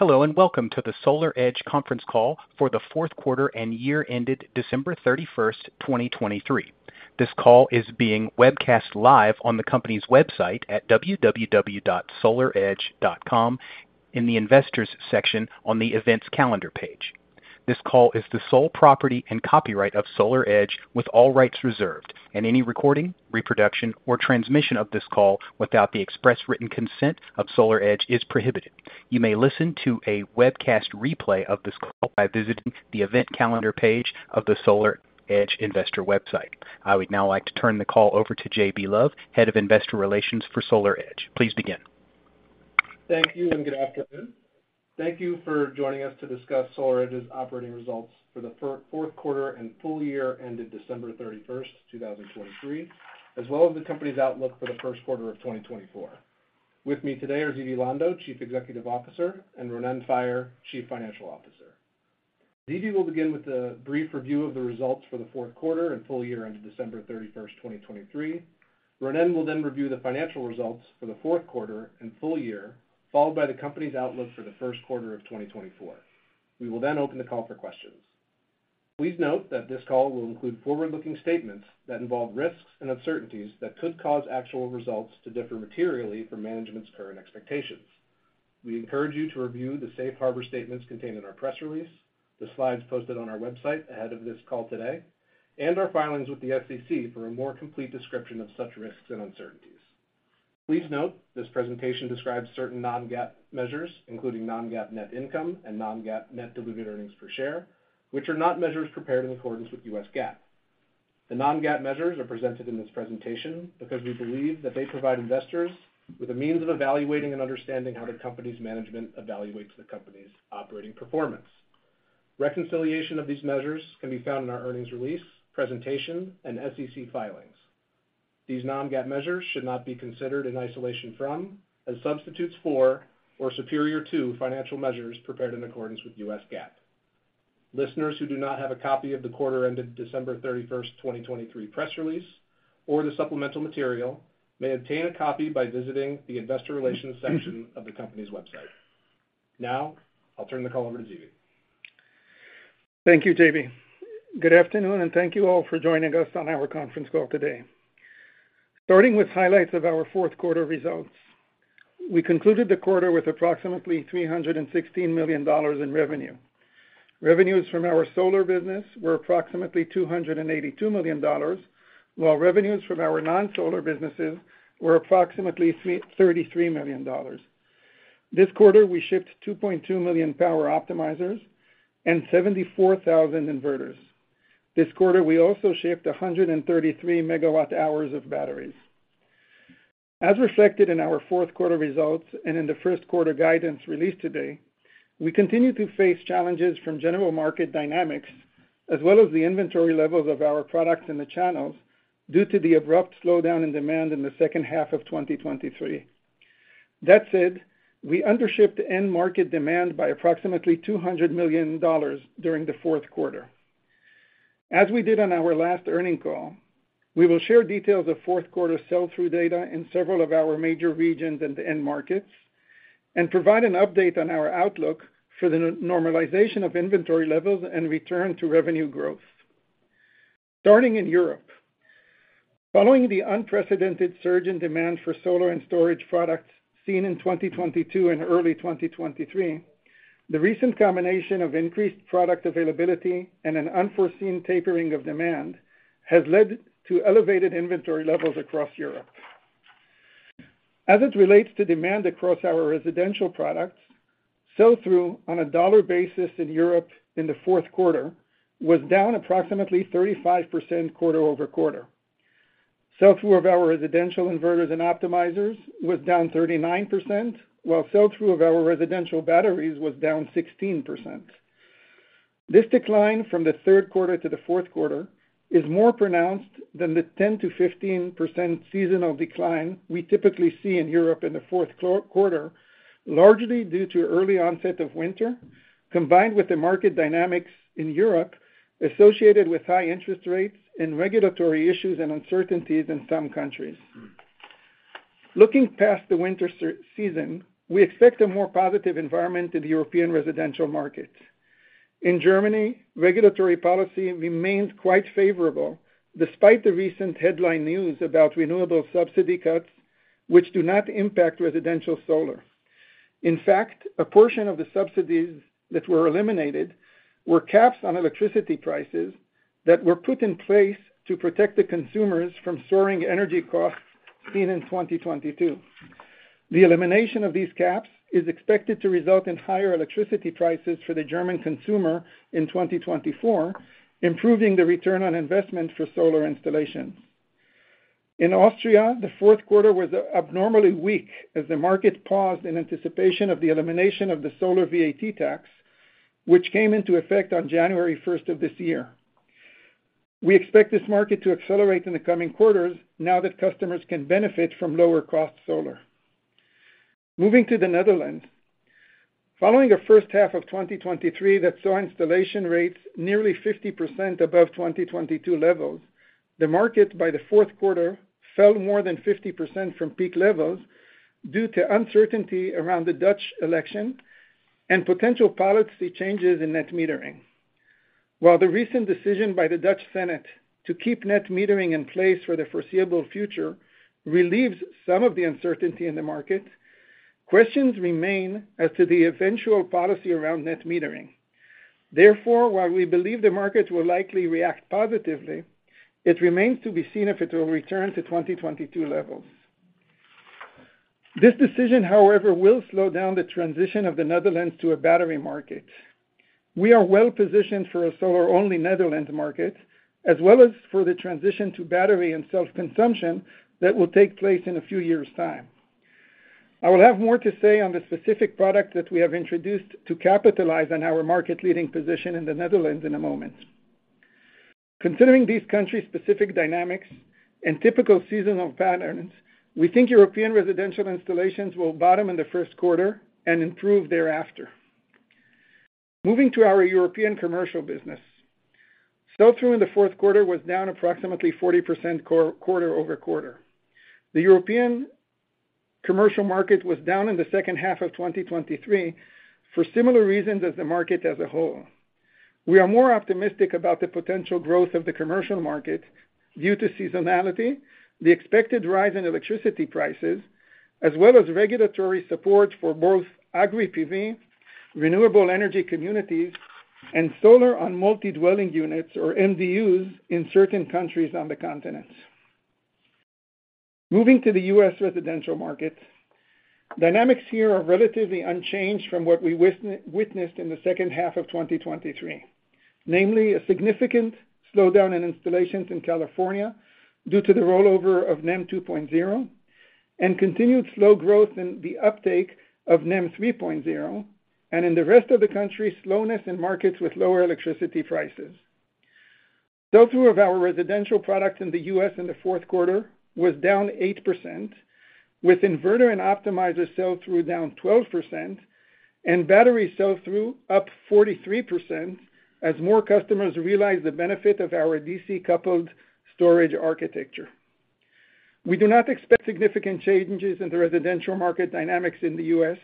Hello, and welcome to the SolarEdge conference call for the fourth quarter and year ended December 31, 2023. This call is being webcast live on the company's website at www.solaredge.com in the Investors section on the Events Calendar page. This call is the sole property and copyright of SolarEdge, with all rights reserved, and any recording, reproduction, or transmission of this call without the express written consent of SolarEdge is prohibited. You may listen to a webcast replay of this call by visiting the Event Calendar page of the SolarEdge investor website. I would now like to turn the call over to J.B. Lowe, Head of Investor Relations for SolarEdge. Please begin. Thank you, and good afternoon. Thank you for joining us to discuss SolarEdge's operating results for the fourth quarter and full year ended December 31, 2023, as well as the company's outlook for the first quarter of 2024. With me today are Zvi Lando, Chief Executive Officer, and Ronen Faier, Chief Financial Officer. Zvi will begin with a brief review of the results for the fourth quarter and full year ended December 31, 2023. Ronen will then review the financial results for the fourth quarter and full year, followed by the company's outlook for the first quarter of 2024. We will then open the call for questions. Please note that this call will include forward-looking statements that involve risks and uncertainties that could cause actual results to differ materially from management's current expectations. We encourage you to review the safe harbor statements contained in our press release, the slides posted on our website ahead of this call today, and our filings with the SEC for a more complete description of such risks and uncertainties. Please note, this presentation describes certain non-GAAP measures, including non-GAAP net income and non-GAAP net diluted earnings per share, which are not measures prepared in accordance with U.S. GAAP. The non-GAAP measures are presented in this presentation because we believe that they provide investors with a means of evaluating and understanding how the company's management evaluates the company's operating performance. Reconciliation of these measures can be found in our earnings release, presentation, and SEC filings. These non-GAAP measures should not be considered in isolation from, as substitutes for, or superior to financial measures prepared in accordance with U.S. GAAP. Listeners who do not have a copy of the quarter ended December 31, 2023, press release or the supplemental material may obtain a copy by visiting the Investor Relations section of the company's website. Now, I'll turn the call over to Zvi. Thank you, J.B. Good afternoon, and thank you all for joining us on our conference call today. Starting with highlights of our fourth quarter results, we concluded the quarter with approximately $316 million in revenue. Revenues from our solar business were approximately $282 million, while revenues from our non-solar businesses were approximately $33 million. This quarter, we shipped 2.2 million power optimizers and 74,000 inverters. This quarter, we also shipped 133 MWh of batteries. As reflected in our fourth quarter results and in the first quarter guidance released today, we continue to face challenges from general market dynamics, as well as the inventory levels of our products in the channels, due to the abrupt slowdown in demand in the second half of 2023. That said, we undershipped end market demand by approximately $200 million during the fourth quarter. As we did on our last earnings call, we will share details of fourth quarter sell-through data in several of our major regions and end markets, and provide an update on our outlook for the normalization of inventory levels and return to revenue growth. Starting in Europe, following the unprecedented surge in demand for solar and storage products seen in 2022 and early 2023, the recent combination of increased product availability and an unforeseen tapering of demand has led to elevated inventory levels across Europe. As it relates to demand across our residential products, sell-through on a dollar basis in Europe in the fourth quarter was down approximately 35% quarter-over-quarter. Sell-through of our residential inverters and optimizers was down 39%, while sell-through of our residential batteries was down 16%. This decline from the third quarter to the fourth quarter is more pronounced than the 10%-15% seasonal decline we typically see in Europe in the fourth quarter, largely due to early onset of winter, combined with the market dynamics in Europe associated with high interest rates and regulatory issues and uncertainties in some countries. Looking past the winter season, we expect a more positive environment in the European residential markets. In Germany, regulatory policy remains quite favorable, despite the recent headline news about renewable subsidy cuts, which do not impact residential solar. In fact, a portion of the subsidies that were eliminated were caps on electricity prices that were put in place to protect the consumers from soaring energy costs seen in 2022. The elimination of these caps is expected to result in higher electricity prices for the German consumer in 2024, improving the return on investment for solar installations. In Austria, the fourth quarter was abnormally weak as the market paused in anticipation of the elimination of the solar VAT tax, which came into effect on January 1 of this year. We expect this market to accelerate in the coming quarters now that customers can benefit from lower-cost solar. Moving to the Netherlands, following a first half of 2023 that saw installation rates nearly 50% above 2022 levels. The market by the fourth quarter fell more than 50% from peak levels due to uncertainty around the Dutch election and potential policy changes in net metering. While the recent decision by the Dutch Senate to keep net metering in place for the foreseeable future relieves some of the uncertainty in the market, questions remain as to the eventual policy around net metering. Therefore, while we believe the markets will likely react positively, it remains to be seen if it will return to 2022 levels. This decision, however, will slow down the transition of the Netherlands to a battery market. We are well-positioned for a solar-only Netherlands market, as well as for the transition to battery and self-consumption that will take place in a few years' time. I will have more to say on the specific product that we have introduced to capitalize on our market-leading position in the Netherlands in a moment. Considering these country-specific dynamics and typical seasonal patterns, we think European residential installations will bottom in the first quarter and improve thereafter. Moving to our European commercial business. Sell-through in the fourth quarter was down approximately 40% quarter-over-quarter. The European commercial market was down in the second half of 2023 for similar reasons as the market as a whole. We are more optimistic about the potential growth of the commercial market due to seasonality, the expected rise in electricity prices, as well as regulatory support for both Agri-PV, renewable energy communities, and solar on multi-dwelling units, or MDUs, in certain countries on the continent. Moving to the U.S. residential market, dynamics here are relatively unchanged from what we witnessed in the second half of 2023. Namely, a significant slowdown in installations in California due to the rollover of NEM 2.0, and continued slow growth in the uptake of NEM 3.0, and in the rest of the country, slowness in markets with lower electricity prices. Sell-through of our residential products in the U.S. in the fourth quarter was down 8%, with inverter and optimizer sell-through down 12% and battery sell-through up 43%, as more customers realize the benefit of our DC-coupled storage architecture. We do not expect significant changes in the residential market dynamics in the U.S.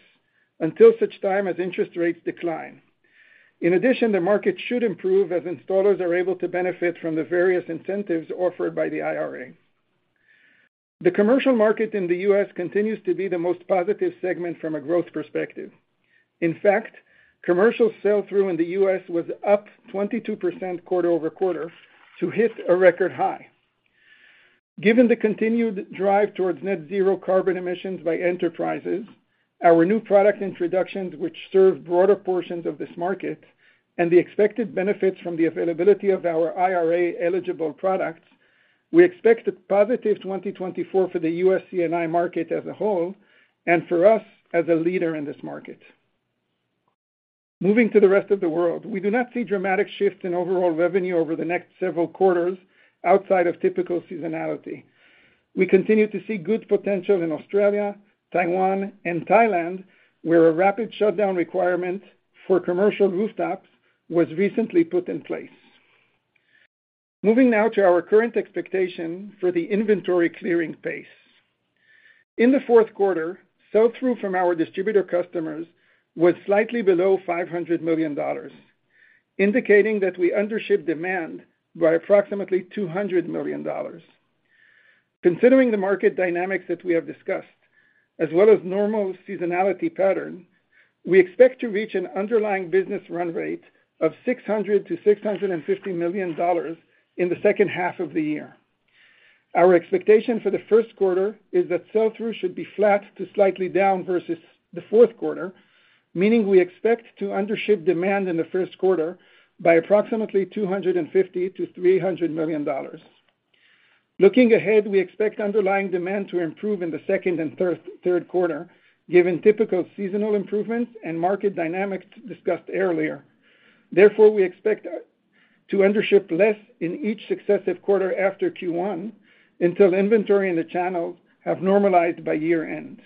until such time as interest rates decline. In addition, the market should improve as installers are able to benefit from the various incentives offered by the IRA. The commercial market in the U.S. continues to be the most positive segment from a growth perspective. In fact, commercial sell-through in the U.S. was up 22% quarter-over-quarter to hit a record high. Given the continued drive towards net zero carbon emissions by enterprises, our new product introductions, which serve broader portions of this market, and the expected benefits from the availability of our IRA-eligible products, we expect a positive 2024 for the U.S. C&I market as a whole, and for us, as a leader in this market. Moving to the rest of the world, we do not see dramatic shifts in overall revenue over the next several quarters outside of typical seasonality. We continue to see good potential in Australia, Taiwan, and Thailand, where a rapid shutdown requirement for commercial rooftops was recently put in place. Moving now to our current expectation for the inventory clearing pace. In the fourth quarter, sell-through from our distributor customers was slightly below $500 million, indicating that we undershipped demand by approximately $200 million. Considering the market dynamics that we have discussed, as well as normal seasonality pattern, we expect to reach an underlying business run rate of $600 million-$650 million in the second half of the year. Our expectation for the first quarter is that sell-through should be flat to slightly down versus the fourth quarter, meaning we expect to undership demand in the first quarter by approximately $250 million-$300 million. Looking ahead, we expect underlying demand to improve in the second and third quarter, given typical seasonal improvements and market dynamics discussed earlier. Therefore, we expect to undership less in each successive quarter after Q1, until inventory in the channels have normalized by year-end.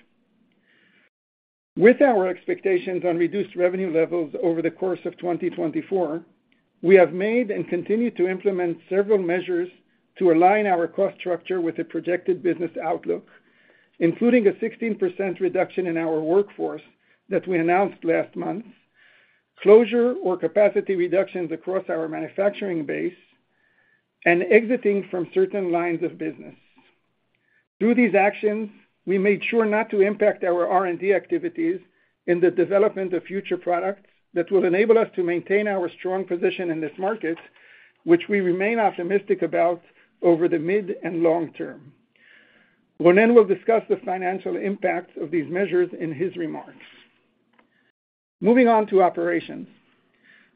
With our expectations on reduced revenue levels over the course of 2024, we have made and continue to implement several measures to align our cost structure with the projected business outlook, including a 16% reduction in our workforce that we announced last month, closure or capacity reductions across our manufacturing base, and exiting from certain lines of business. Through these actions, we made sure not to impact our R&D activities in the development of future products that will enable us to maintain our strong position in this market, which we remain optimistic about over the mid and long term. Ronen will discuss the financial impact of these measures in his remarks. Moving on to operations.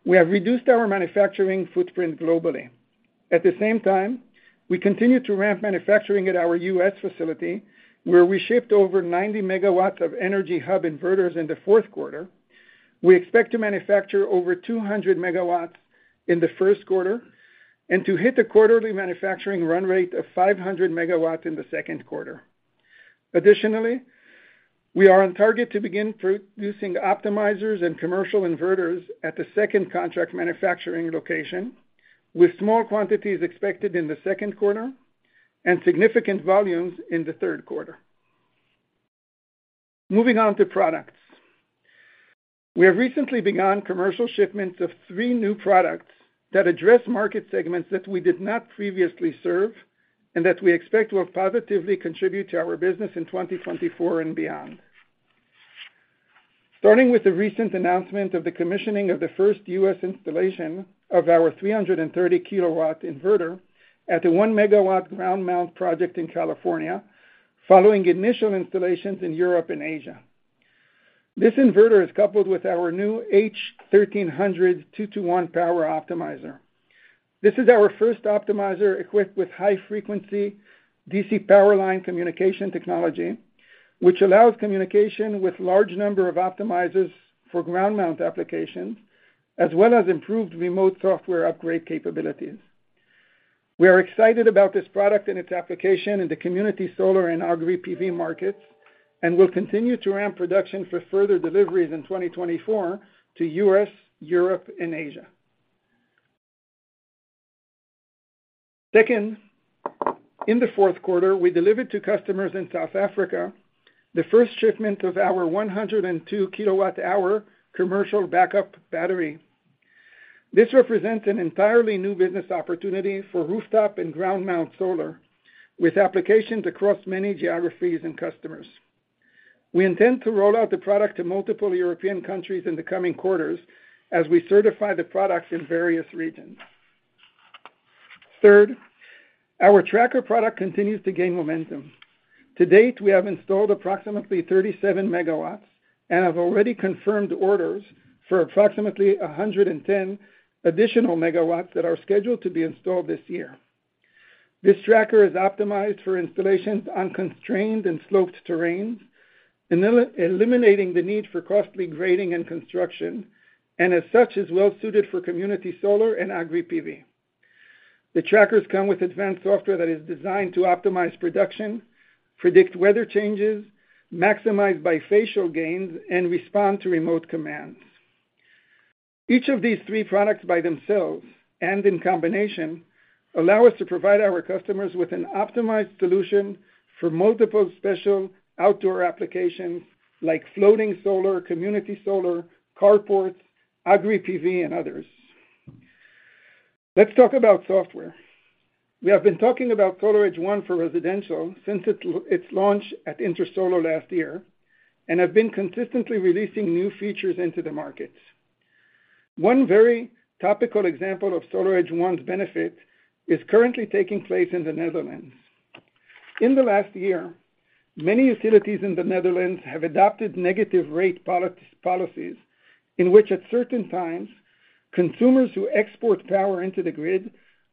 We have reduced our manufacturing footprint globally. At the same time, we continue to ramp manufacturing at our U.S. facility, where we shipped over 90 MW of Energy Hub inverters in the fourth quarter. We expect to manufacture over 200 MW in the first quarter and to hit a quarterly manufacturing run rate of 500 MW in the second quarter. Additionally, we are on target to begin producing optimizers and commercial inverters at the second contract manufacturing location, with small quantities expected in the second quarter and significant volumes in the third quarter. Moving on to products. We have recently begun commercial shipments of three new products that address market segments that we did not previously serve, and that we expect will positively contribute to our business in 2024 and beyond. Starting with the recent announcement of the commissioning of the first U.S. installation of our 330 kW inverter at the 1 MW ground mount project in California, following initial installations in Europe and Asia. This inverter is coupled with our new H1300 two to one power optimizer. This is our first optimizer equipped with high-frequency DC power line communication technology, which allows communication with large number of optimizers for ground mount applications, as well as improved remote software upgrade capabilities. We are excited about this product and its application in the community solar and Agri-PV markets, and will continue to ramp production for further deliveries in 2024 to U.S., Europe, and Asia. Second, in the fourth quarter, we delivered to customers in South Africa the first shipment of our 102 kWh commercial backup battery. This represents an entirely new business opportunity for rooftop and ground mount solar, with applications across many geographies and customers. We intend to roll out the product to multiple European countries in the coming quarters as we certify the products in various regions. Third, our tracker product continues to gain momentum. To date, we have installed approximately 37 MW and have already confirmed orders for approximately 110 additional MW that are scheduled to be installed this year. This tracker is optimized for installations on constrained and sloped terrains, eliminating the need for costly grading and construction, and as such, is well suited for community solar and Agri-PV. The trackers come with advanced software that is designed to optimize production, predict weather changes, maximize bifacial gains, and respond to remote commands. Each of these three products, by themselves and in combination, allow us to provide our customers with an optimized solution for multiple special outdoor applications like floating solar, community solar, carports, Agri-PV, and others. Let's talk about software. We have been talking about SolarEdge ONE for residential since its launch at Intersolar last year, and have been consistently releasing new features into the markets. One very topical example of SolarEdge ONE's benefit is currently taking place in the Netherlands. In the last year, many utilities in the Netherlands have adopted negative rate policies, in which, at certain times, consumers who export power into the grid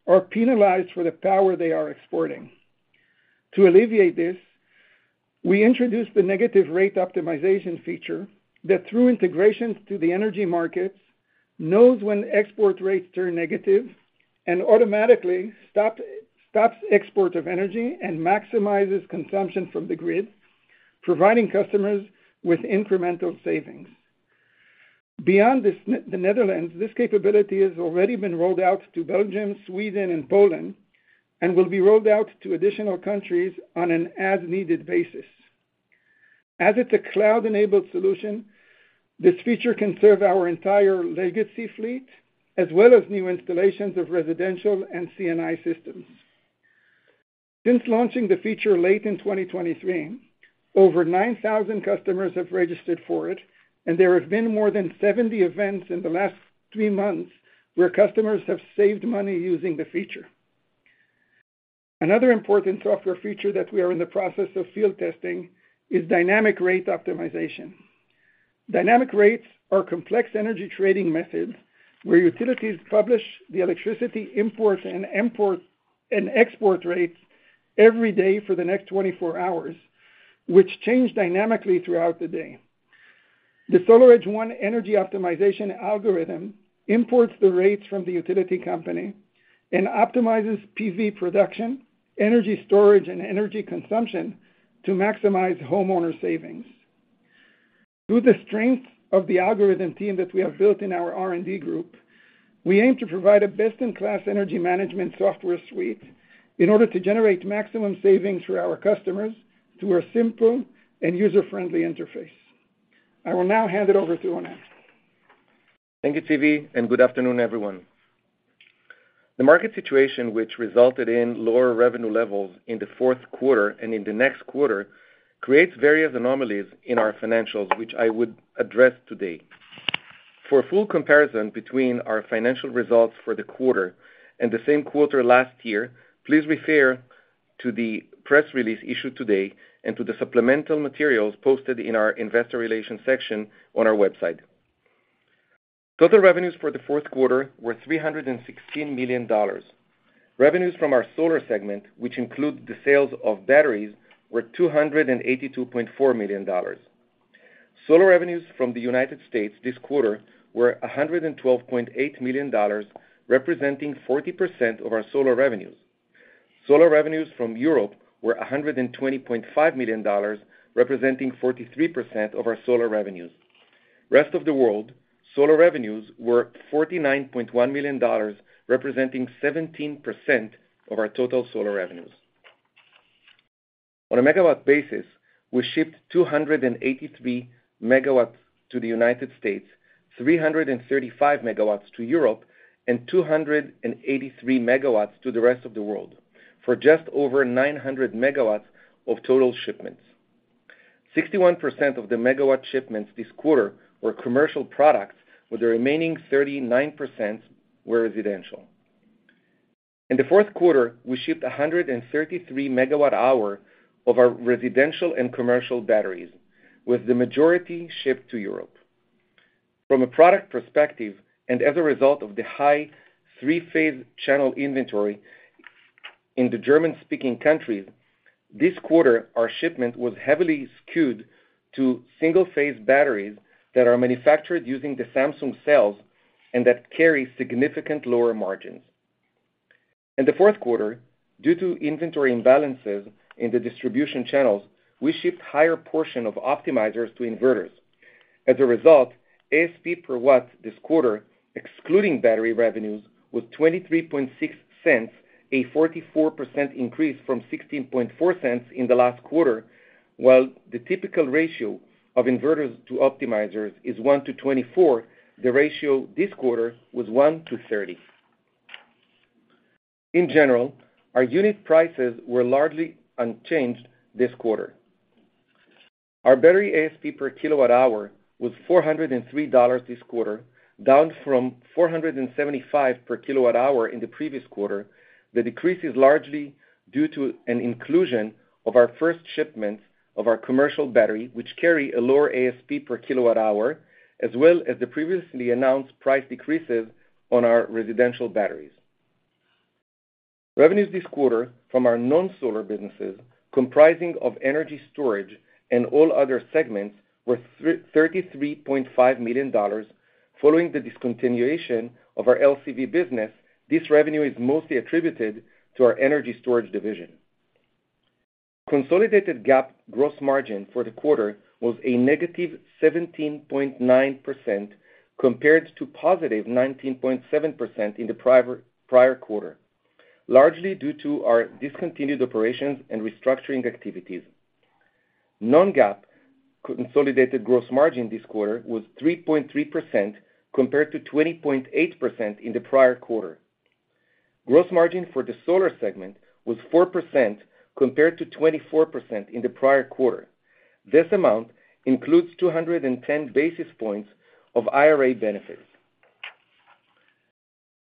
are penalized for the power they are exporting. To alleviate this, we introduced the negative rate optimization feature that, through integrations to the energy markets, knows when export rates turn negative and automatically stops export of energy and maximizes consumption from the grid, providing customers with incremental savings. Beyond this, in the Netherlands, this capability has already been rolled out to Belgium, Sweden, and Poland, and will be rolled out to additional countries on an as-needed basis. As it's a cloud-enabled solution, this feature can serve our entire legacy fleet, as well as new installations of residential and C&I systems. Since launching the feature late in 2023, over 9,000 customers have registered for it, and there have been more than 70 events in the last three months where customers have saved money using the feature. Another important software feature that we are in the process of field testing is dynamic rate optimization. Dynamic rates are complex energy trading methods where utilities publish the electricity imports and export rates every day for the next 24 hours, which change dynamically throughout the day. The SolarEdge ONE energy optimization algorithm imports the rates from the utility company and optimizes PV production, energy storage, and energy consumption to maximize homeowner savings. Through the strength of the algorithm team that we have built in our R&D group, we aim to provide a best-in-class energy management software suite in order to generate maximum savings for our customers through a simple and user-friendly interface. I will now hand it over to Ronen. Thank you, Zvi, and good afternoon, everyone. The market situation, which resulted in lower revenue levels in the fourth quarter and in the next quarter, creates various anomalies in our financials, which I would address today. For a full comparison between our financial results for the quarter and the same quarter last year, please refer to the press release issued today and to the supplemental materials posted in our investor relations section on our website. Total revenues for the fourth quarter were $316 million. Revenues from our solar segment, which include the sales of batteries, were $282.4 million. Solar revenues from the United States this quarter were $112.8 million, representing 40% of our solar revenues. Solar revenues from Europe were $120.5 million, representing 43% of our solar revenues. Rest of the world, solar revenues were $49.1 million, representing 17% of our total solar revenues. On a megawatt basis, we shipped 283 MW to the United States, 335 MW to Europe, and 283 MW to the rest of the world, for just over 900 MW of total shipments. 61% of the megawatt shipments this quarter were commercial products, with the remaining 39% were residential. In the fourth quarter, we shipped 133 MWh of our residential and commercial batteries, with the majority shipped to Europe. From a product perspective, and as a result of the high three-phase channel inventory in the German-speaking countries, this quarter, our shipment was heavily skewed to single-phase batteries that are manufactured using the Samsung cells, and that carry significant lower margins. In the fourth quarter, due to inventory imbalances in the distribution channels, we shipped higher portion of optimizers to inverters. As a result, ASP per watt this quarter, excluding battery revenues, was $0.236, a 44% increase from $0.164 in the last quarter. While the typical ratio of inverters to optimizers is one to 24, the ratio this quarter was one to 30. In general, our unit prices were largely unchanged this quarter. Our battery ASP per kWh was $403 this quarter, down from $475 per kWh in the previous quarter. The decrease is largely due to an inclusion of our first shipment of our commercial battery, which carry a lower ASP per kilowatt hour, as well as the previously announced price decreases on our residential batteries. Revenues this quarter from our non-solar businesses, comprising of energy storage and all other segments, were $33.5 million. Following the discontinuation of our LCV business, this revenue is mostly attributed to our energy storage division. Consolidated GAAP gross margin for the quarter was -17.9%, compared to +19.7% in the prior quarter, largely due to our discontinued operations and restructuring activities. Non-GAAP consolidated gross margin this quarter was 3.3%, compared to 20.8% in the prior quarter. Gross margin for the solar segment was 4%, compared to 24% in the prior quarter. This amount includes 210 basis points of IRA benefits.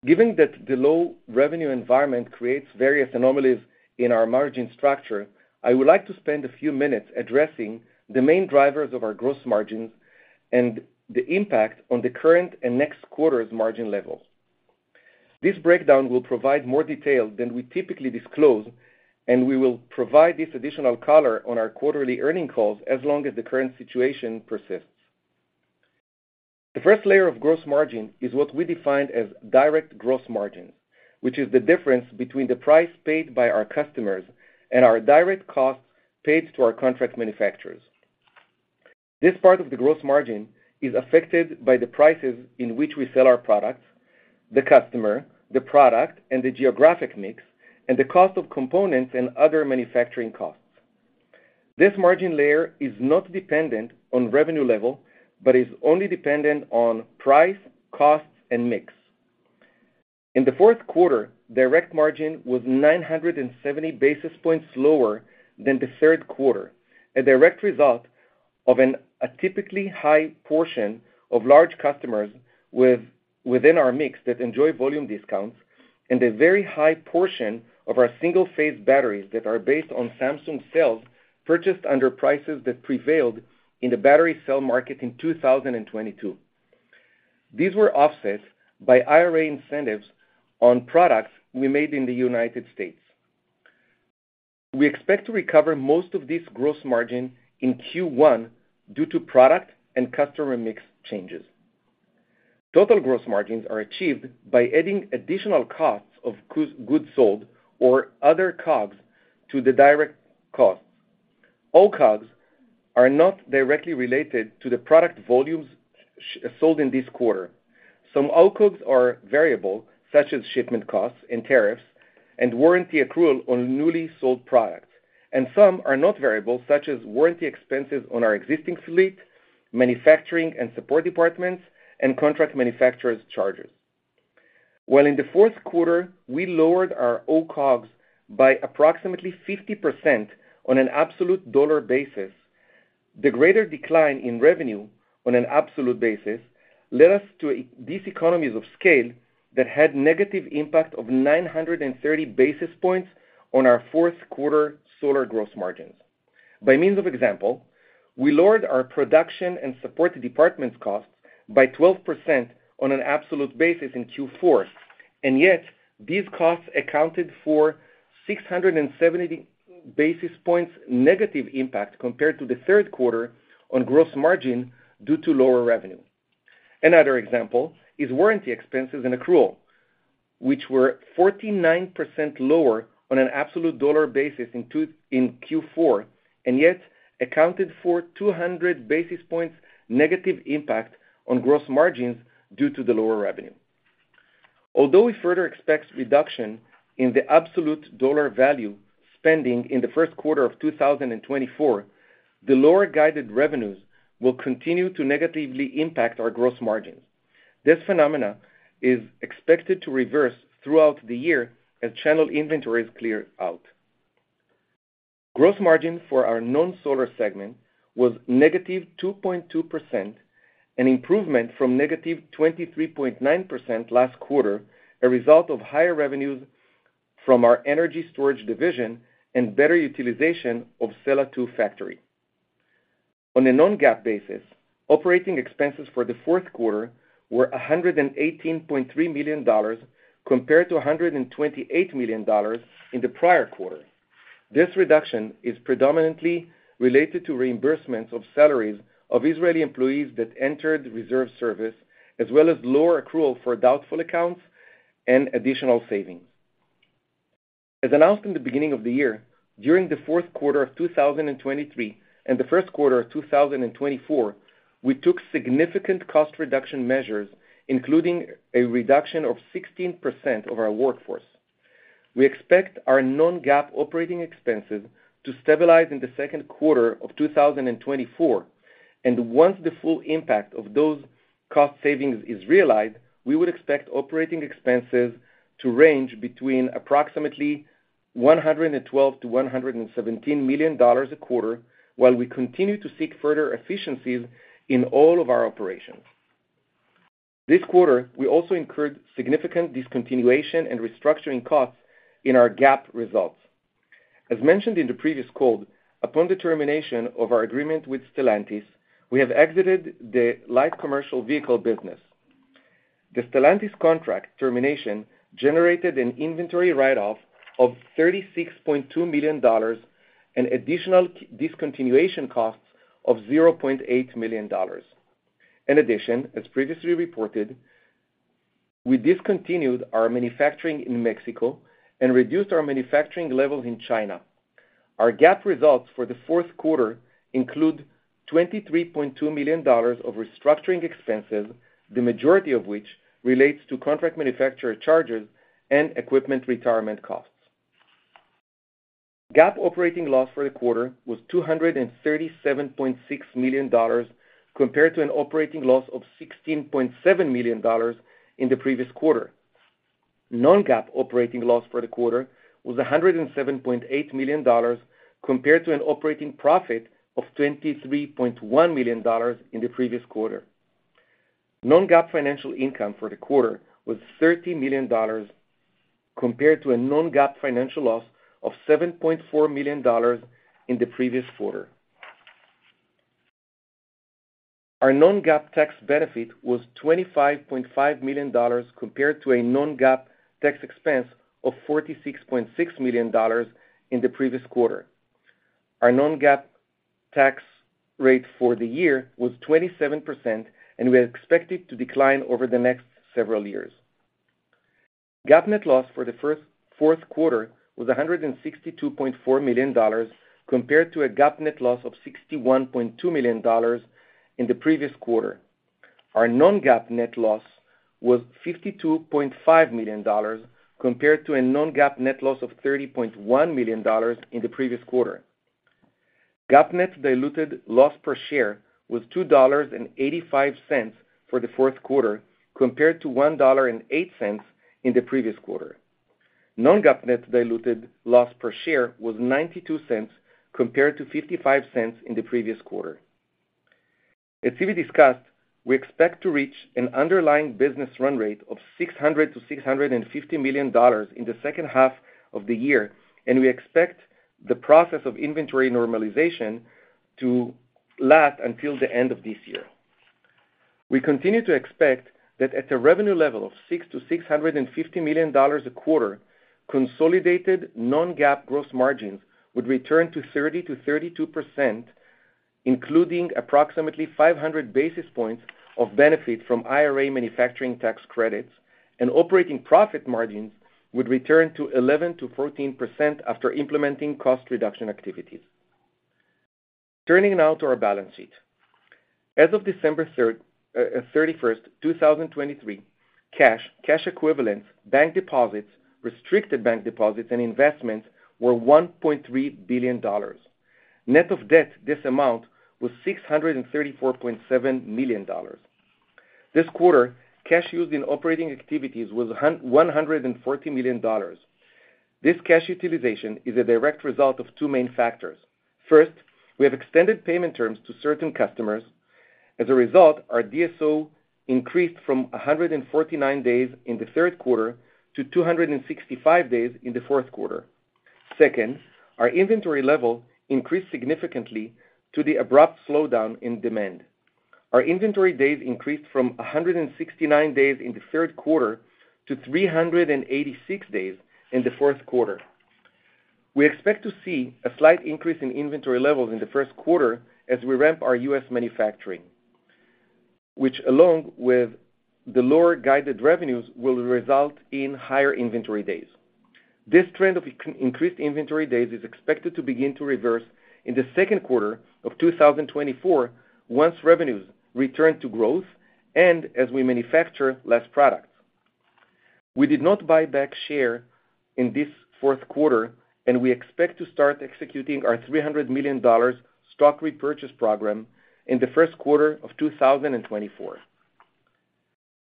Given that the low revenue environment creates various anomalies in our margin structure, I would like to spend a few minutes addressing the main drivers of our gross margins and the impact on the current and next quarter's margin levels. This breakdown will provide more detail than we typically disclose, and we will provide this additional color on our quarterly earnings calls as long as the current situation persists. The first layer of gross margin is what we define as direct gross margins, which is the difference between the price paid by our customers and our direct costs paid to our contract manufacturers. This part of the gross margin is affected by the prices in which we sell our products, the customer, the product, and the geographic mix, and the cost of components and other manufacturing costs. This margin layer is not dependent on revenue level, but is only dependent on price, costs, and mix. In the fourth quarter, direct margin was 970 basis points lower than the third quarter, a direct result of an atypically high portion of large customers within our mix that enjoy volume discounts, and a very high portion of our single-phase batteries that are based on Samsung cells purchased under prices that prevailed in the battery cell market in 2022. These were offset by IRA incentives on products we made in the United States. We expect to recover most of this gross margin in Q1 due to product and customer mix changes. Total gross margins are achieved by adding additional costs of goods sold or other COGS to the direct cost. OCOGS are not directly related to the product volumes sold in this quarter. Some OCOGS are variable, such as shipment costs and tariffs and warranty accrual on newly sold products, and some are not variable, such as warranty expenses on our existing fleet, manufacturing and support departments, and contract manufacturers charges. While in the fourth quarter, we lowered our OCOGS by approximately 50% on an absolute dollar basis, the greater decline in revenue on an absolute basis led us to lose these economies of scale that had negative impact of 930 basis points on our fourth quarter solar gross margins. By means of example, we lowered our production and support departments costs by 12% on an absolute basis in Q4, and yet these costs accounted for 670-... basis points negative impact compared to the third quarter on gross margin due to lower revenue. Another example is warranty expenses and accrual, which were 49% lower on an absolute dollar basis in Q2, in Q4, and yet accounted for 200 basis points negative impact on gross margins due to the lower revenue. Although we further expect reduction in the absolute dollar value spending in the first quarter of 2024, the lower guided revenues will continue to negatively impact our gross margins. This phenomenon is expected to reverse throughout the year as channel inventories clear out. Gross margin for our known solar segment was -2.2%, an improvement from -23.9% last quarter, a result of higher revenues from our energy storage division and better utilization of Sella 2 factory. On a non-GAAP basis, operating expenses for the fourth quarter were $118.3 million, compared to $128 million in the prior quarter. This reduction is predominantly related to reimbursements of salaries of Israeli employees that entered the reserve service, as well as lower accrual for doubtful accounts and additional savings. As announced in the beginning of the year, during the fourth quarter of 2023 and the first quarter of 2024, we took significant cost reduction measures, including a reduction of 16% of our workforce. We expect our non-GAAP operating expenses to stabilize in the second quarter of 2024, and once the full impact of those cost savings is realized, we would expect operating expenses to range between approximately $112 million-$117 million a quarter, while we continue to seek further efficiencies in all of our operations. This quarter, we also incurred significant discontinuation and restructuring costs in our GAAP results. As mentioned in the previous call, upon the termination of our agreement with Stellantis, we have exited the light commercial vehicle business. The Stellantis contract termination generated an inventory write-off of $36.2 million, an additional discontinuation cost of $0.8 million. In addition, as previously reported, we discontinued our manufacturing in Mexico and reduced our manufacturing levels in China. Our GAAP results for the fourth quarter include $23.2 million of restructuring expenses, the majority of which relates to contract manufacturer charges and equipment retirement costs. GAAP operating loss for the quarter was $237.6 million, compared to an operating loss of $16.7 million in the previous quarter. Non-GAAP operating loss for the quarter was $107.8 million, compared to an operating profit of $23.1 million in the previous quarter. Non-GAAP financial income for the quarter was $30 million, compared to a non-GAAP financial loss of $7.4 million in the previous quarter. Our non-GAAP tax benefit was $25.5 million, compared to a non-GAAP tax expense of $46.6 million in the previous quarter. Our non-GAAP tax rate for the year was 27%, and we expect it to decline over the next several years. GAAP net loss for the fourth quarter was $162.4 million, compared to a GAAP net loss of $61.2 million in the previous quarter. Our non-GAAP net loss was $52.5 million, compared to a non-GAAP net loss of $30.1 million in the previous quarter. GAAP net diluted loss per share was $2.85 for the fourth quarter, compared to $1.08 in the previous quarter. Non-GAAP net diluted loss per share was $0.92, compared to $0.55 in the previous quarter. As previously discussed, we expect to reach an underlying business run rate of $600 million-$650 million in the second half of the year, and we expect the process of inventory normalization to last until the end of this year. We continue to expect that at a revenue level of $600 million-$650 million a quarter, consolidated non-GAAP gross margins would return to 30%-32%, including approximately 500 basis points of benefit from IRA manufacturing tax credits, and operating profit margins would return to 11%-14% after implementing cost reduction activities. Turning now to our balance sheet. As of December 31, 2023, cash, cash equivalents, bank deposits, restricted bank deposits, and investments were $1.3 billion. Net of debt, this amount was $634.7 million. This quarter, cash used in operating activities was $140 million. This cash utilization is a direct result of two main factors. First, we have extended payment terms to certain customers. As a result, our DSO increased from 149 days in the third quarter to 265 days in the fourth quarter. Second, our inventory level increased significantly to the abrupt slowdown in demand. Our inventory days increased from 169 days in the third quarter to 386 days in the fourth quarter. We expect to see a slight increase in inventory levels in the first quarter as we ramp our U.S. manufacturing, which, along with the lower guided revenues, will result in higher inventory days. This trend of increased inventory days is expected to begin to reverse in the second quarter of 2024, once revenues return to growth and as we manufacture less products. We did not buy back shares in this fourth quarter, and we expect to start executing our $300 million stock repurchase program in the first quarter of 2024.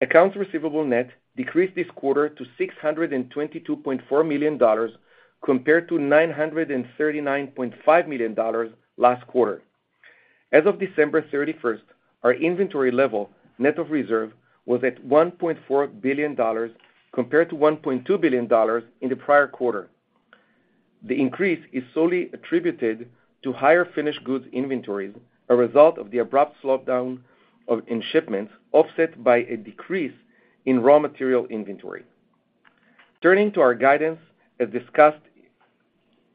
Accounts receivable net decreased this quarter to $622.4 million, compared to $939.5 million last quarter. As of December 31, our inventory level, net of reserve, was at $1 billion compared to $1.2 billion in the prior quarter. The increase is solely attributed to higher finished goods inventories, a result of the abrupt slowdown in shipments, offset by a decrease in raw material inventory. Turning to our guidance, as discussed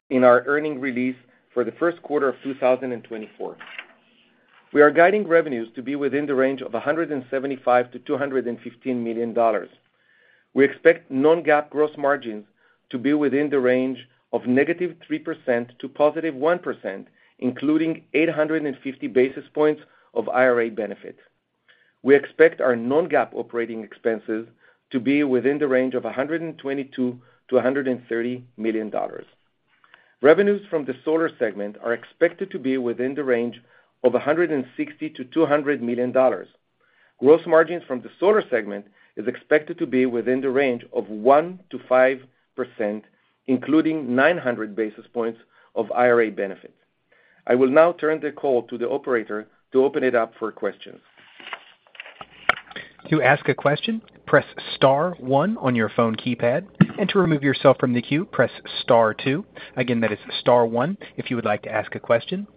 in our earnings release for the first quarter of 2024. We are guiding revenues to be within the range of $175 million-$215 million. We expect non-GAAP gross margins to be within the range of -3% to +1%, including 850 basis points of IRA benefit. We expect our non-GAAP operating expenses to be within the range of $122 million-$130 million. Revenues from the solar segment are expected to be within the range of $160 million-$200 million. Gross margins from the solar segment is expected to be within the range of 1%-5%, including 900 basis points of IRA benefit. I will now turn the call to the operator to open it up for questions. To ask a question, press star one on your phone keypad, and to remove yourself from the queue, press star two. Again, that is star one if you would like to ask a question.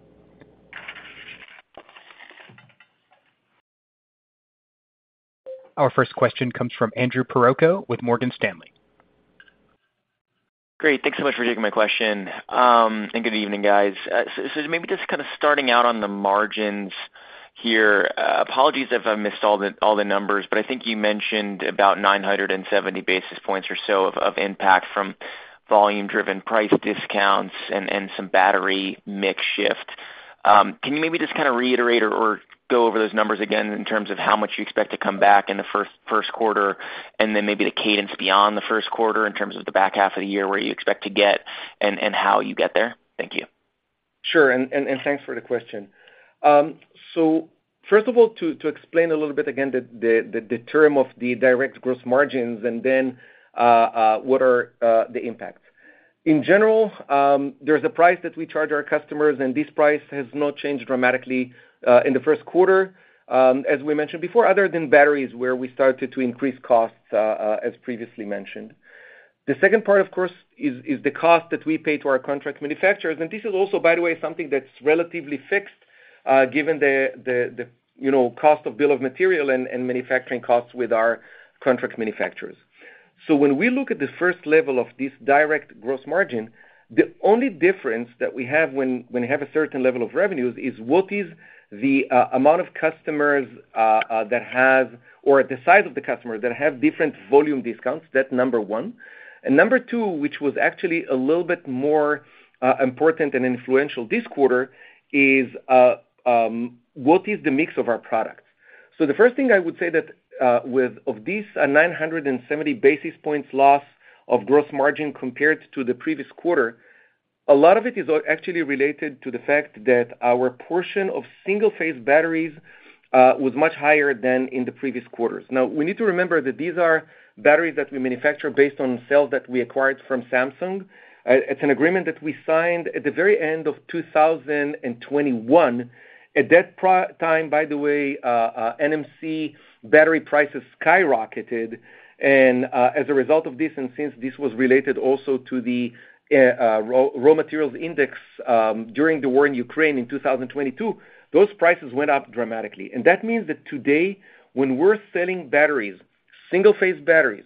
Our first question comes from Andrew Percoco with Morgan Stanley. Great. Thanks so much for taking my question, and good evening, guys. So maybe just kind of starting out on the margins here. Apologies if I missed all the numbers, but I think you mentioned about 970 basis points or so of impact from volume-driven price discounts and some battery mix shift. Can you maybe just kind of reiterate or go over those numbers again in terms of how much you expect to come back in the first quarter, and then maybe the cadence beyond the first quarter in terms of the back half of the year, where you expect to get and how you get there? Thank you. Sure. Thanks for the question. So first of all, to explain a little bit again, the term of the direct gross margins and then what are the impacts. In general, there's a price that we charge our customers, and this price has not changed dramatically in the first quarter, as we mentioned before, other than batteries, where we started to increase costs, as previously mentioned. The second part, of course, is the cost that we pay to our contract manufacturers, and this is also, by the way, something that's relatively fixed, given the you know, cost of bill of material and manufacturing costs with our contract manufacturers. So when we look at the first level of this direct gross margin, the only difference that we have when you have a certain level of revenues is what is the amount of customers that have or the size of the customer that have different volume discounts? That's number one. And number two, which was actually a little bit more important and influential this quarter, is what is the mix of our products? So the first thing I would say that with of these 970 basis points loss of gross margin compared to the previous quarter, a lot of it is actually related to the fact that our portion of single-phase batteries was much higher than in the previous quarters. Now, we need to remember that these are batteries that we manufacture based on cells that we acquired from Samsung. It's an agreement that we signed at the very end of 2021. At that time, by the way, NMC battery prices skyrocketed, and, as a result of this, and since this was related also to the raw materials index, during the war in Ukraine in 2022, those prices went up dramatically. And that means that today, when we're selling batteries, single-phase batteries,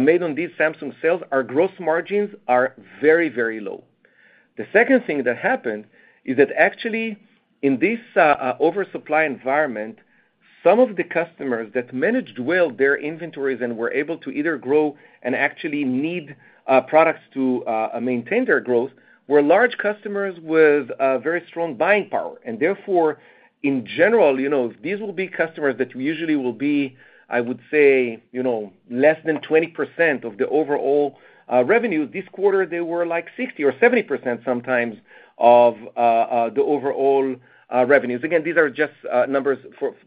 made on these Samsung cells, our gross margins are very, very low. The second thing that happened is that actually in this oversupply environment, some of the customers that managed well their inventories and were able to either grow and actually need products to maintain their growth were large customers with very strong buying power. And therefore, in general, you know, these will be customers that usually will be, I would say, you know, less than 20% of the overall revenue. This quarter, they were like 60% or 70% sometimes of the overall revenues. Again, these are just numbers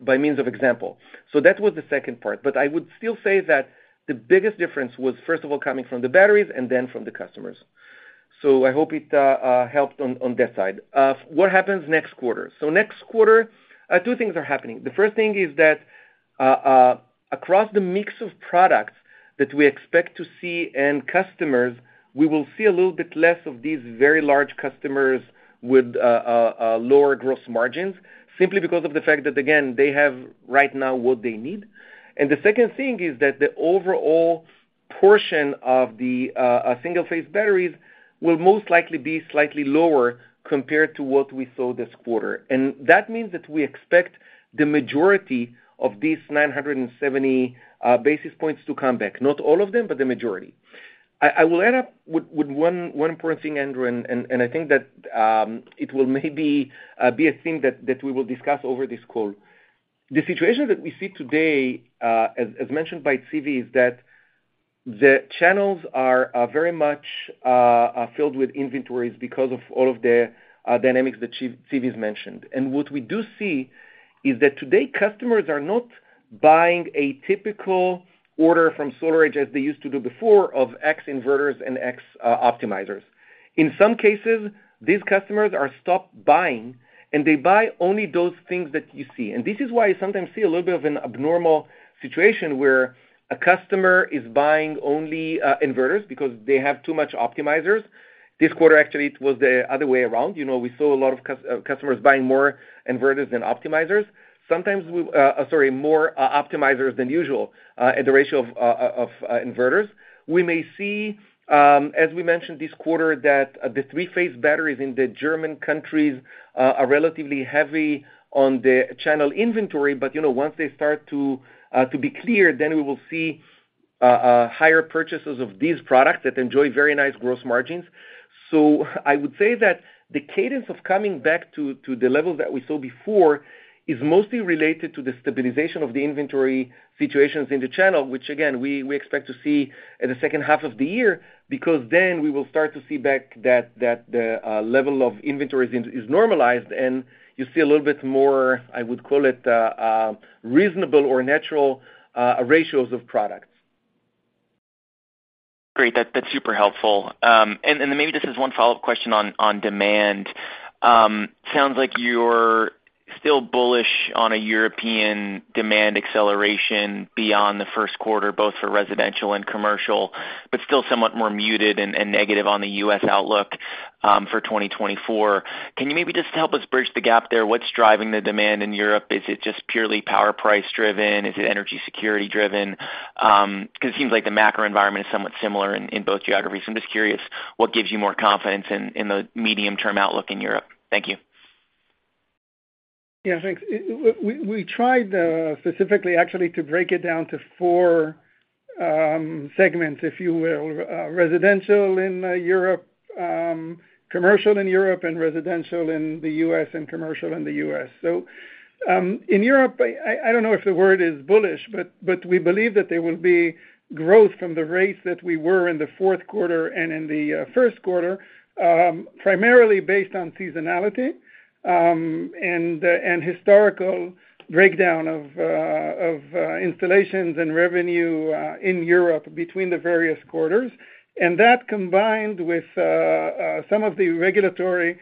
by way of example. So that was the second part. But I would still say that the biggest difference was, first of all, coming from the batteries and then from the customers. So I hope it helped on that side. What happens next quarter? So next quarter, two things are happening. The first thing is that, across the mix of products that we expect to see in customers, we will see a little bit less of these very large customers with a lower gross margins, simply because of the fact that, again, they have right now what they need. And the second thing is that the overall portion of the single-phase batteries will most likely be slightly lower compared to what we saw this quarter. And that means that we expect the majority of these 970 basis points to come back. Not all of them, but the majority. I will end up with one important thing, Andrew, and I think that it will maybe be a thing that we will discuss over this call. The situation that we see today, as mentioned by Zvi, is that the channels are very much filled with inventories because of all of the dynamics that Zvi's mentioned. And what we do see is that today, customers are not buying a typical order from SolarEdge, as they used to do before, of X inverters and X optimizers. In some cases, these customers are stopped buying, and they buy only those things that you see. And this is why you sometimes see a little bit of an abnormal situation where a customer is buying only inverters because they have too much optimizers. This quarter, actually, it was the other way around. You know, we saw a lot of customers buying more inverters than optimizers. Sometimes we, sorry, more optimizers than usual, and the ratio of inverters. We may see, as we mentioned this quarter, that the three-phase batteries in the German countries are relatively heavy on the channel inventory, but, you know, once they start to be clear, then we will see higher purchases of these products that enjoy very nice growth margins. So I would say that the cadence of coming back to the levels that we saw before is mostly related to the stabilization of the inventory situations in the channel, which again, we expect to see in the second half of the year, because then we will start to see back that the level of inventories is normalized, and you see a little bit more. I would call it reasonable or natural ratios of products. Great. That's super helpful. And then maybe just this one follow-up question on demand. Sounds like you're still bullish on a European demand acceleration beyond the first quarter, both for residential and commercial, but still somewhat more muted and negative on the U.S. outlook for 2024. Can you maybe just help us bridge the gap there? What's driving the demand in Europe? Is it just purely power price driven? Is it energy security driven? Because it seems like the macro environment is somewhat similar in both geographies. I'm just curious, what gives you more confidence in the medium-term outlook in Europe? Thank you. Yeah, thanks. We tried, specifically, actually, to break it down to four segments, if you will. Residential in Europe, commercial in Europe, and residential in the U.S., and commercial in the U.S. So, in Europe, I don't know if the word is bullish, but we believe that there will be growth from the rates that we were in the fourth quarter and in the first quarter, primarily based on seasonality, and historical breakdown of installations and revenue in Europe between the various quarters. And that, combined with some of the regulatory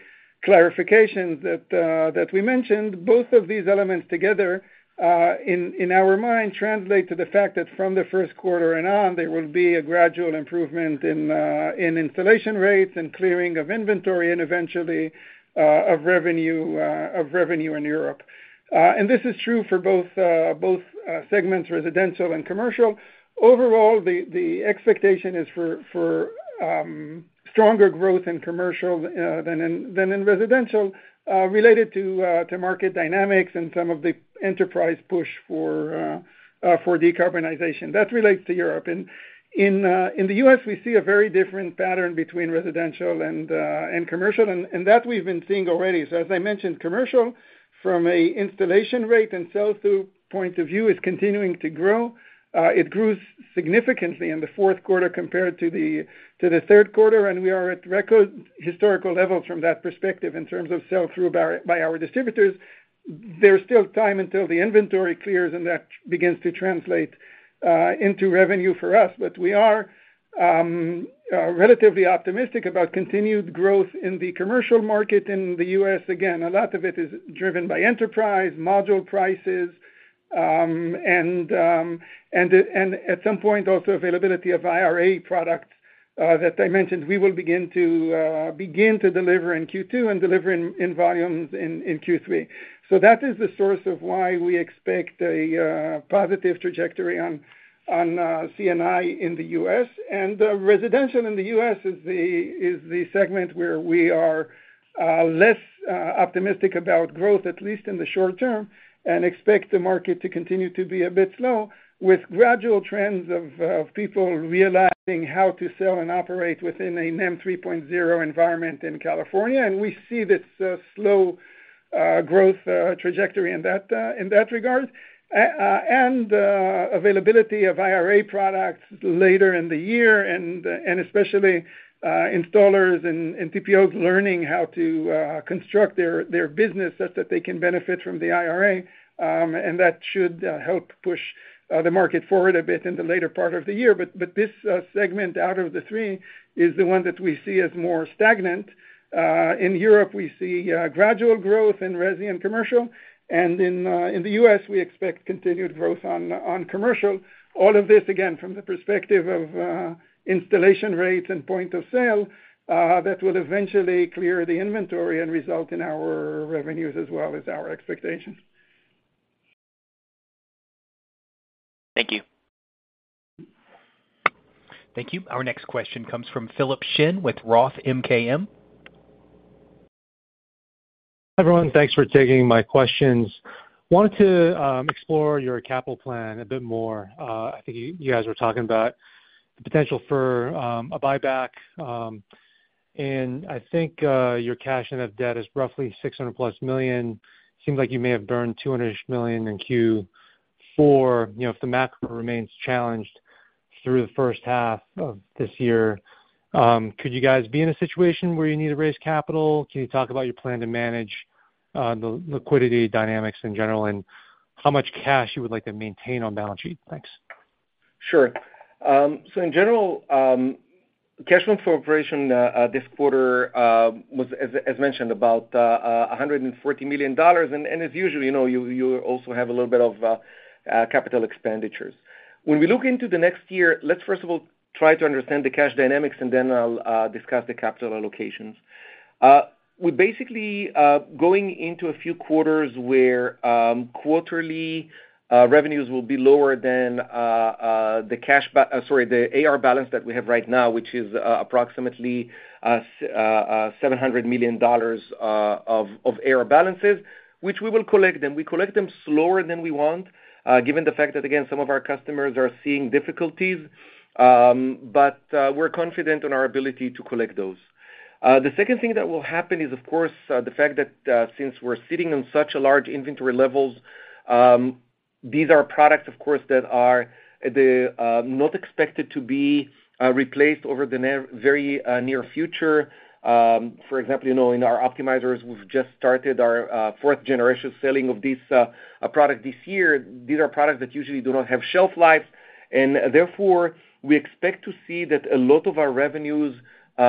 clarifications that we mentioned, both of these elements together, in our mind, translate to the fact that from the first quarter and on, there will be a gradual improvement in installation rates and clearing of inventory and eventually of revenue in Europe. And this is true for both segments, residential and commercial. Overall, the expectation is for stronger growth in commercial than in residential, related to market dynamics and some of the enterprise push for decarbonization. That relates to Europe. And in the US, we see a very different pattern between residential and commercial, and that we've been seeing already. So as I mentioned, commercial, from an installation rate and sell-through point of view, is continuing to grow. It grew significantly in the fourth quarter compared to the third quarter, and we are at record historical levels from that perspective in terms of sell-through by our distributors. There's still time until the inventory clears and that begins to translate into revenue for us. But we are relatively optimistic about continued growth in the commercial market in the U.S. Again, a lot of it is driven by enterprise module prices, and at some point, also availability of IRA products that I mentioned. We will begin to deliver in Q2 and deliver in volumes in Q3. So that is the source of why we expect a positive trajectory on, on C&I in the U.S. Residential in the U.S. is the, is the segment where we are less optimistic about growth, at least in the short term, and expect the market to continue to be a bit slow, with gradual trends of of people realizing how to sell and operate within a NEM 3.0 environment in California. We see this slow growth trajectory in that, in that regard. And availability of IRA products later in the year and especially installers and TPOs learning how to construct their business such that they can benefit from the IRA, and that should help push-... the market forward a bit in the later part of the year. But this segment out of the three is the one that we see as more stagnant. In Europe, we see gradual growth in resi and commercial, and in the U.S., we expect continued growth on commercial. All of this, again, from the perspective of installation rates and point of sale that will eventually clear the inventory and result in our revenues as well as our expectations. Thank you. Thank you. Our next question comes from Philip Shen with Roth MKM. Everyone, thanks for taking my questions. Wanted to explore your capital plan a bit more. I think you guys were talking about the potential for a buyback, and I think your cash net of debt is roughly $600+ million. Seems like you may have burned $200-ish million in Q4. You know, if the macro remains challenged through the first half of this year, could you guys be in a situation where you need to raise capital? Can you talk about your plan to manage the liquidity dynamics in general, and how much cash you would like to maintain on balance sheet? Thanks. Sure. So in general, cash flow from operation this quarter was, as mentioned, about $140 million. And as usual, you know, you also have a little bit of capital expenditures. When we look into the next year, let's first of all try to understand the cash dynamics, and then I'll discuss the capital allocations. We're basically going into a few quarters where quarterly revenues will be lower than the cash ba- sorry, the AR balance that we have right now, which is approximately $700 million of AR balances, which we will collect them. We collect them slower than we want, given the fact that, again, some of our customers are seeing difficulties, but we're confident in our ability to collect those. The second thing that will happen is, of course, the fact that, since we're sitting on such a large inventory levels, these are products, of course, that are not expected to be replaced over the very near future. For example, you know, in our optimizers, we've just started our fourth generation selling of this product this year. These are products that usually do not have shelf life, and therefore, we expect to see that a lot of our revenues,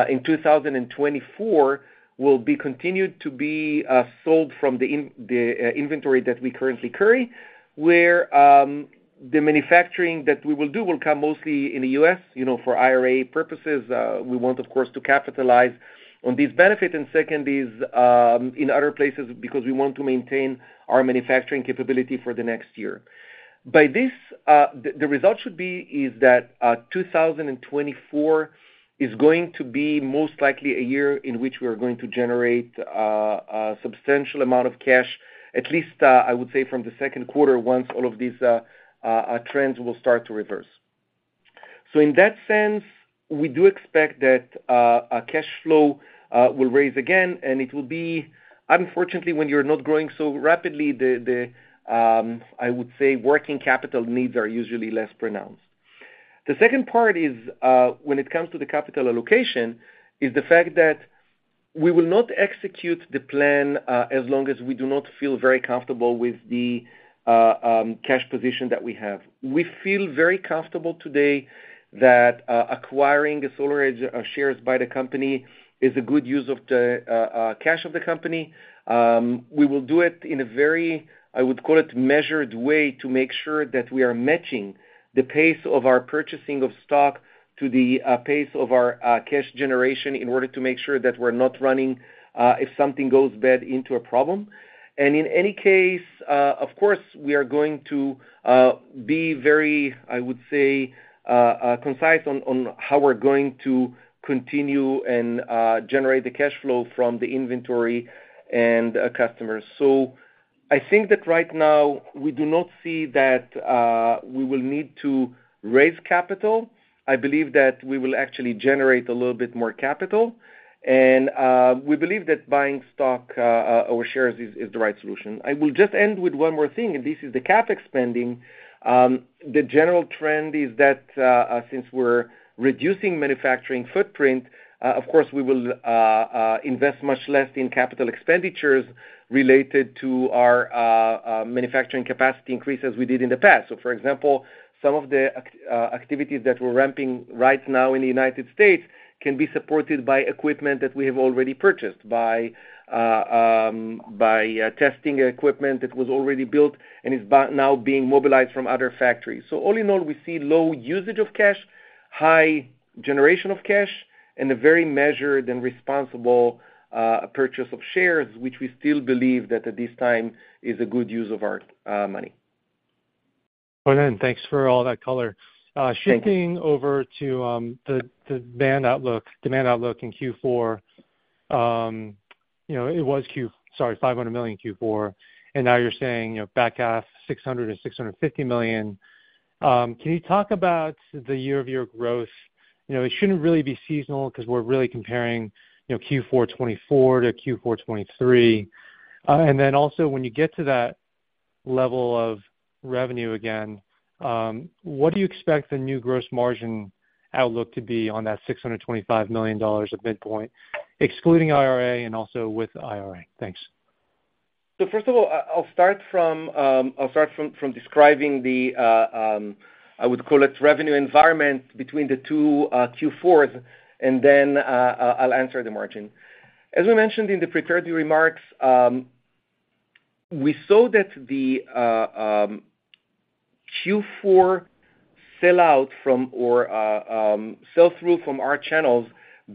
in 2024, will be continued to be, sold from the inventory that we currently carry, where, the manufacturing that we will do will come mostly in the U.S., you know, for IRA purposes. We want, of course, to capitalize on these benefits, and second, these, in other places, because we want to maintain our manufacturing capability for the next year. By this, the result should be is that, 2024 is going to be most likely a year in which we are going to generate, a substantial amount of cash, at least, I would say, from the second quarter, once all of these trends will start to reverse. So in that sense, we do expect that a cash flow will raise again, and it will be... unfortunately, when you're not growing so rapidly, the, the, I would say, working capital needs are usually less pronounced. The second part is, when it comes to the capital allocation, is the fact that we will not execute the plan, as long as we do not feel very comfortable with the, cash position that we have. We feel very comfortable today that acquiring the SolarEdge shares by the company is a good use of the, cash of the company. We will do it in a very, I would call it, measured way, to make sure that we are matching the pace of our purchasing of stock to the pace of our cash generation, in order to make sure that we're not running, if something goes bad, into a problem. And in any case, of course, we are going to be very, I would say, concise on how we're going to continue and generate the cash flow from the inventory and customers. So I think that right now, we do not see that we will need to raise capital. I believe that we will actually generate a little bit more capital, and we believe that buying stock or shares is the right solution. I will just end with one more thing, and this is the CapEx spending. The general trend is that, since we're reducing manufacturing footprint, of course, we will invest much less in capital expenditures related to our manufacturing capacity increase as we did in the past. So for example, some of the activities that we're ramping right now in the United States can be supported by equipment that we have already purchased, by testing equipment that was already built and is now being mobilized from other factories. So all in all, we see low usage of cash, high generation of cash, and a very measured and responsible purchase of shares, which we still believe that at this time is a good use of our money. Well then, thanks for all that color. Thank you. Shifting over to the demand outlook in Q4. Sorry, $500 million Q4, and now you're saying, you know, back half, $600 and $650 million. Can you talk about the year-over-year growth? You know, it shouldn't really be seasonal because we're really comparing, you know, Q4 2024 to Q4 2023. And then also when you get to that level of revenue again, what do you expect the new gross margin outlook to be on that $625 million at midpoint, excluding IRA and also with IRA? Thanks.... So first of all, I'll start from describing the, I would call it revenue environment between the two Q4s, and then I'll answer the margin. As we mentioned in the prepared remarks, we saw that the Q4 sellout from, or, sell-through from our channels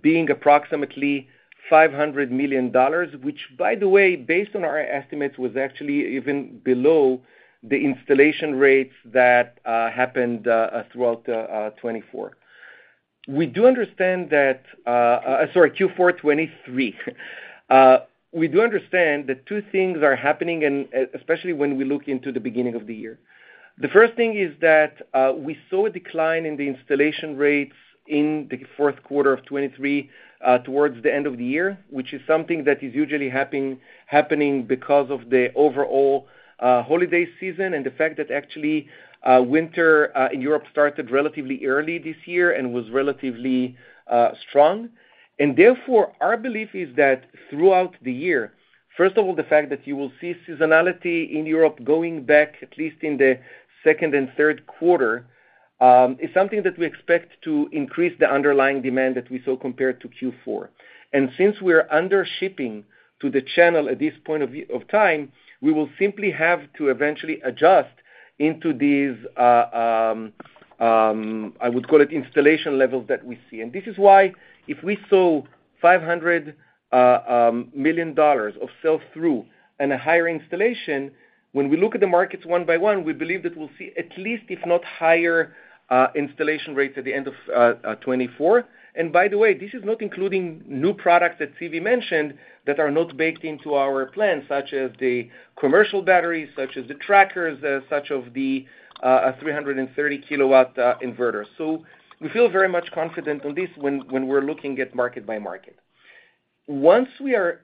being approximately $500 million, which, by the way, based on our estimates, was actually even below the installation rates that happened throughout 2024. We do understand that, sorry, Q4 2023. We do understand that two things are happening, and especially when we look into the beginning of the year. The first thing is that, we saw a decline in the installation rates in the fourth quarter of 2023, towards the end of the year, which is something that is usually happening because of the overall, holiday season and the fact that actually, winter, in Europe started relatively early this year and was relatively, strong. And therefore, our belief is that throughout the year, first of all, the fact that you will see seasonality in Europe going back, at least in the second and third quarter, is something that we expect to increase the underlying demand that we saw compared to Q4. And since we're under shipping to the channel at this point of time, we will simply have to eventually adjust into these, I would call it installation levels that we see. This is why if we saw $500 million of sell-through and a higher installation, when we look at the markets one by one, we believe that we'll see at least, if not higher, installation rates at the end of 2024. And by the way, this is not including new products that Zvi mentioned that are not baked into our plan, such as the commercial batteries, such as the trackers, such as the 330 kW inverter. So we feel very much confident on this when we're looking at market by market. Once we are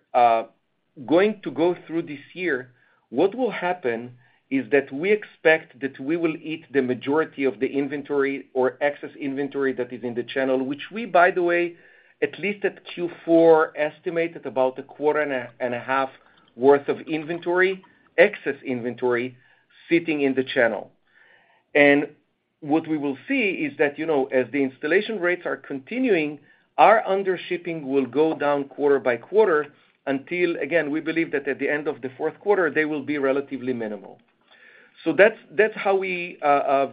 going to go through this year, what will happen is that we expect that we will eat the majority of the inventory or excess inventory that is in the channel, which we, by the way, at least at Q4, estimated about a quarter and a half worth of inventory, excess inventory, sitting in the channel. And what we will see is that, you know, as the installation rates are continuing, our under shipping will go down quarter by quarter until, again, we believe that at the end of the fourth quarter, they will be relatively minimal. That's how we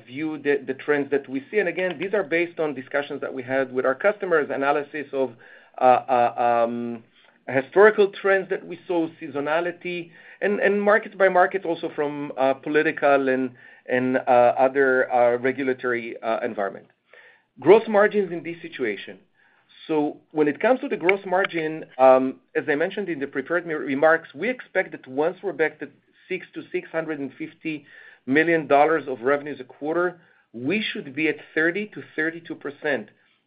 view the trends that we see. And again, these are based on discussions that we had with our customers, analysis of historical trends that we saw, seasonality and market by market, also from political and other regulatory environment. Gross margins in this situation. So when it comes to the gross margin, as I mentioned in the prepared remarks, we expect that once we're back to $600 million-$650 million of revenues a quarter, we should be at 30%-32%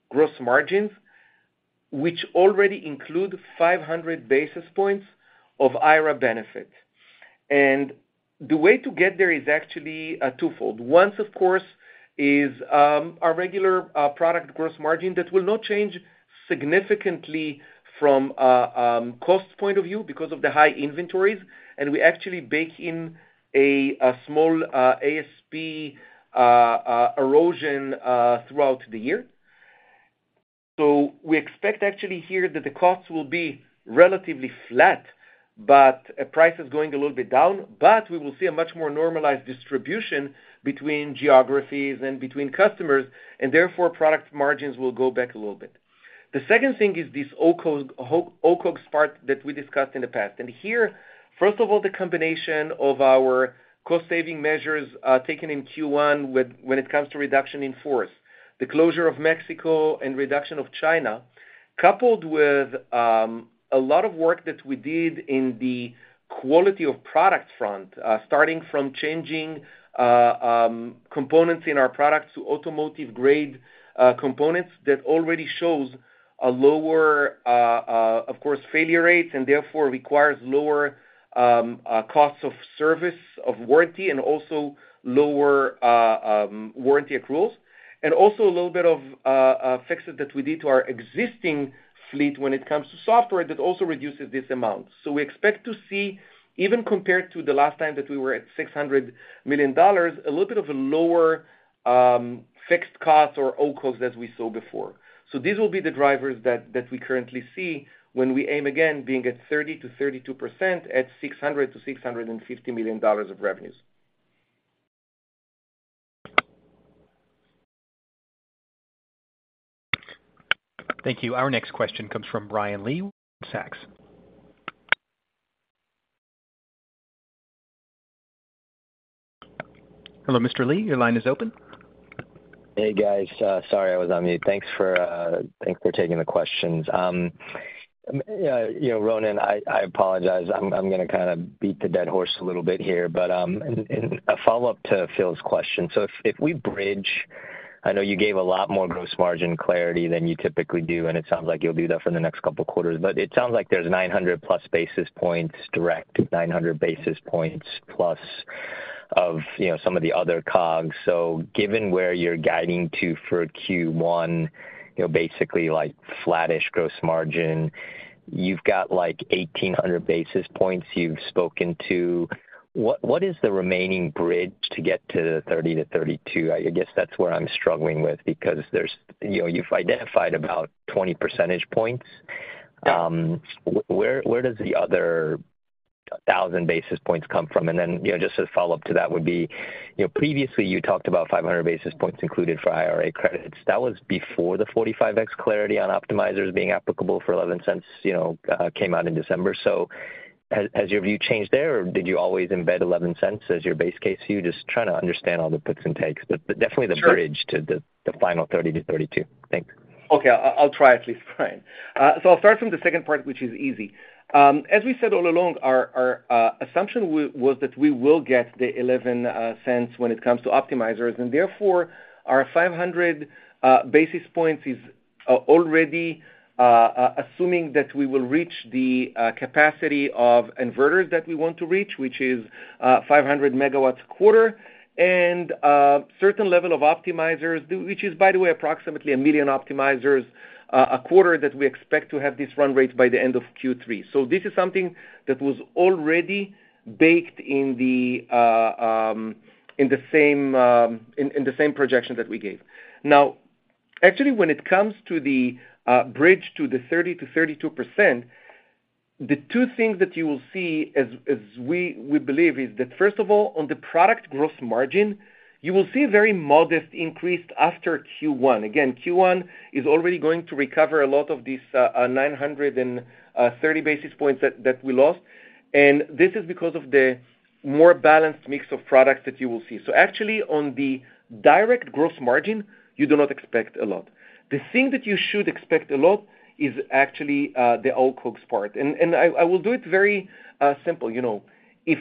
gross margins, which already include 500 basis points of IRA benefit. And the way to get there is actually twofold. One, of course, is our regular product gross margin, that will not change significantly from a cost point of view because of the high inventories, and we actually bake in a small ASP erosion throughout the year. So we expect actually here that the costs will be relatively flat, but prices going a little bit down. But we will see a much more normalized distribution between geographies and between customers, and therefore, product margins will go back a little bit. The second thing is this OCOGS part that we discussed in the past. Here, first of all, the combination of our cost-saving measures taken in Q1, with when it comes to reduction in force, the closure of Mexico and reduction of China, coupled with a lot of work that we did in the quality of product front, starting from changing components in our products to automotive grade components that already shows a lower, of course, failure rates and therefore requires lower costs of service, of warranty, and also lower warranty accruals, and also a little bit of fixes that we did to our existing fleet when it comes to software that also reduces this amount. So we expect to see, even compared to the last time that we were at $600 million, a little bit of a lower, fixed costs or OCOGS as we saw before. So these will be the drivers that we currently see when we aim, again, being at 30%-32% at $600 million-$650 million of revenues. Thank you. Our next question comes from Brian Lee, Goldman Sachs. Hello, Mr. Lee, your line is open. Hey, guys. Sorry, I was on mute. Thanks for, thanks for taking the questions. You know, Ronen, I, I apologize. I'm, I'm gonna kind of beat the dead horse a little bit here, but, and, and a follow-up to Phil's question. So if, if we bridge, I know you gave a lot more gross margin clarity than you typically do, and it sounds like you'll do that for the next couple of quarters, but it sounds like there's 900+ basis points direct to 900 basis points plus of, you know, some of the other COGS. So given where you're guiding to for Q1, you know, basically like flattish gross margin, you've got like 1,800 basis points you've spoken to. What is the remaining bridge to get to the 30-32? I guess that's where I'm struggling with, because there's, you know, you've identified about 20 percentage points. Where, where does the other 1,000 basis points come from? And then, you know, just as a follow-up to that would be, you know, previously you talked about 500 basis points included for IRA credits. That was before the 45X clarity on optimizers being applicable for $0.11, you know, came out in December. So has your view changed there, or did you always embed $0.11 as your base case view? Just trying to understand all the puts and takes, but definitely- Sure. the bridge to the final 30-32. Thanks. Okay, I'll try at least, fine. So I'll start from the second part, which is easy. As we said all along, our assumption was that we will get the $0.11 when it comes to optimizers, and therefore, our 500 basis points is already assuming that we will reach the capacity of inverters that we want to reach, which is 500 MW a quarter. And certain level of optimizers, which is, by the way, approximately 1 million optimizers a quarter, that we expect to have this run rate by the end of Q3. So this is something that was already baked in the same projection that we gave. Now, actually, when it comes to the bridge to the 30%-32%, the two things that you will see as we believe is that first of all, on the product gross margin, you will see very modest increase after Q1. Again, Q1 is already going to recover a lot of these 930 basis points that we lost. And this is because of the more balanced mix of products that you will see. So actually, on the direct gross margin, you do not expect a lot. The thing that you should expect a lot is actually the other COGS part. And I will do it very simple, you know. If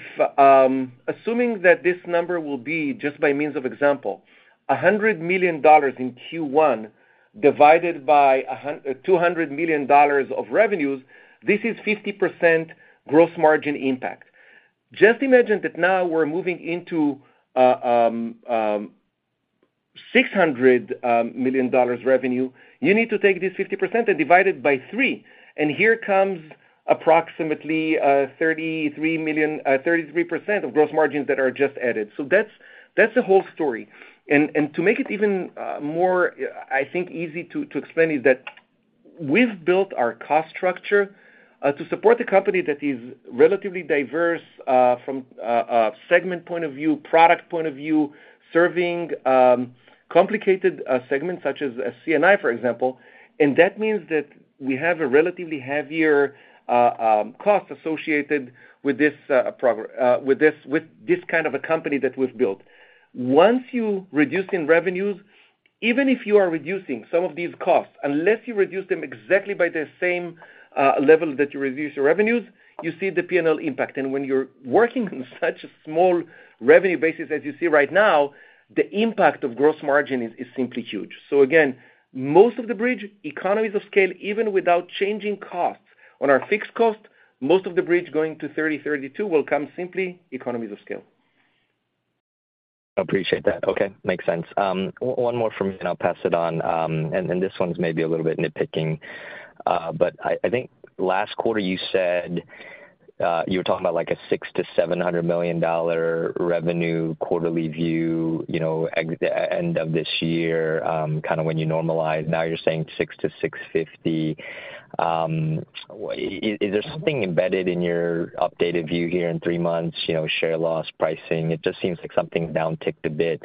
assuming that this number will be, just by means of example, $100 million in Q1, divided by $200 million of revenues, this is 50% gross margin impact. Just imagine that now we're moving into $600 million revenue, you need to take this 50% and divide it by three, and here comes approximately $33 million, 33% of gross margins that are just added. So that's the whole story. And to make it even more, I think, easy to explain, is that we've built our cost structure to support the company that is relatively diverse from a segment point of view, product point of view, serving complicated segments such as C&I, for example. That means that we have a relatively heavier cost associated with this, with this kind of a company that we've built. Once you reduce in revenues, even if you are reducing some of these costs, unless you reduce them exactly by the same level that you reduce your revenues, you see the P&L impact. When you're working on such a small revenue basis as you see right now, the impact of gross margin is simply huge. Again, most of the bridge, economies of scale, even without changing costs. On our fixed cost, most of the bridge going to 30-32 will come simply economies of scale. I appreciate that. Okay, makes sense. One more from me, and I'll pass it on. And this one's maybe a little bit nitpicking, but I think last quarter you said you were talking about like a $600-$700 million revenue quarterly view, you know, e.g., the end of this year, kind of when you normalize. Now you're saying $600-$650 million. Is there something embedded in your updated view here in three months? You know, share loss, pricing. It just seems like something down-ticked a bit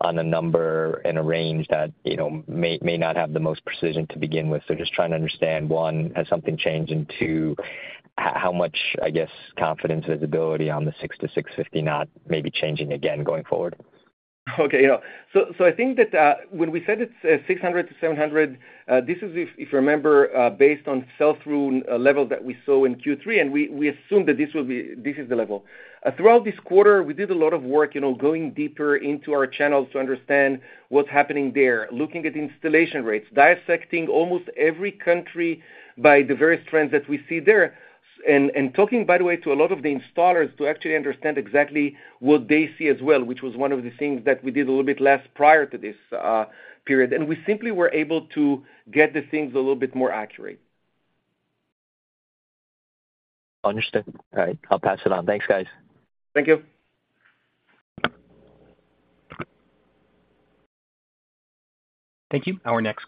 on a number and a range that, you know, may not have the most precision to begin with. So just trying to understand, one, has something changed? And two, how much, I guess, confidence, visibility on the $600-$650 million, not maybe changing again going forward? Okay, you know. So I think that, when we said it's 600-700, this is, if you remember, based on sell-through level that we saw in Q3, and we assumed that this will be—this is the level. Throughout this quarter, we did a lot of work, you know, going deeper into our channels to understand what's happening there, looking at installation rates, dissecting almost every country by the various trends that we see there. And talking, by the way, to a lot of the installers to actually understand exactly what they see as well, which was one of the things that we did a little bit less prior to this period. And we simply were able to get the things a little bit more accurate. Understood. All right, I'll pass it on. Thanks, guys. Thank you. Thank you. Our next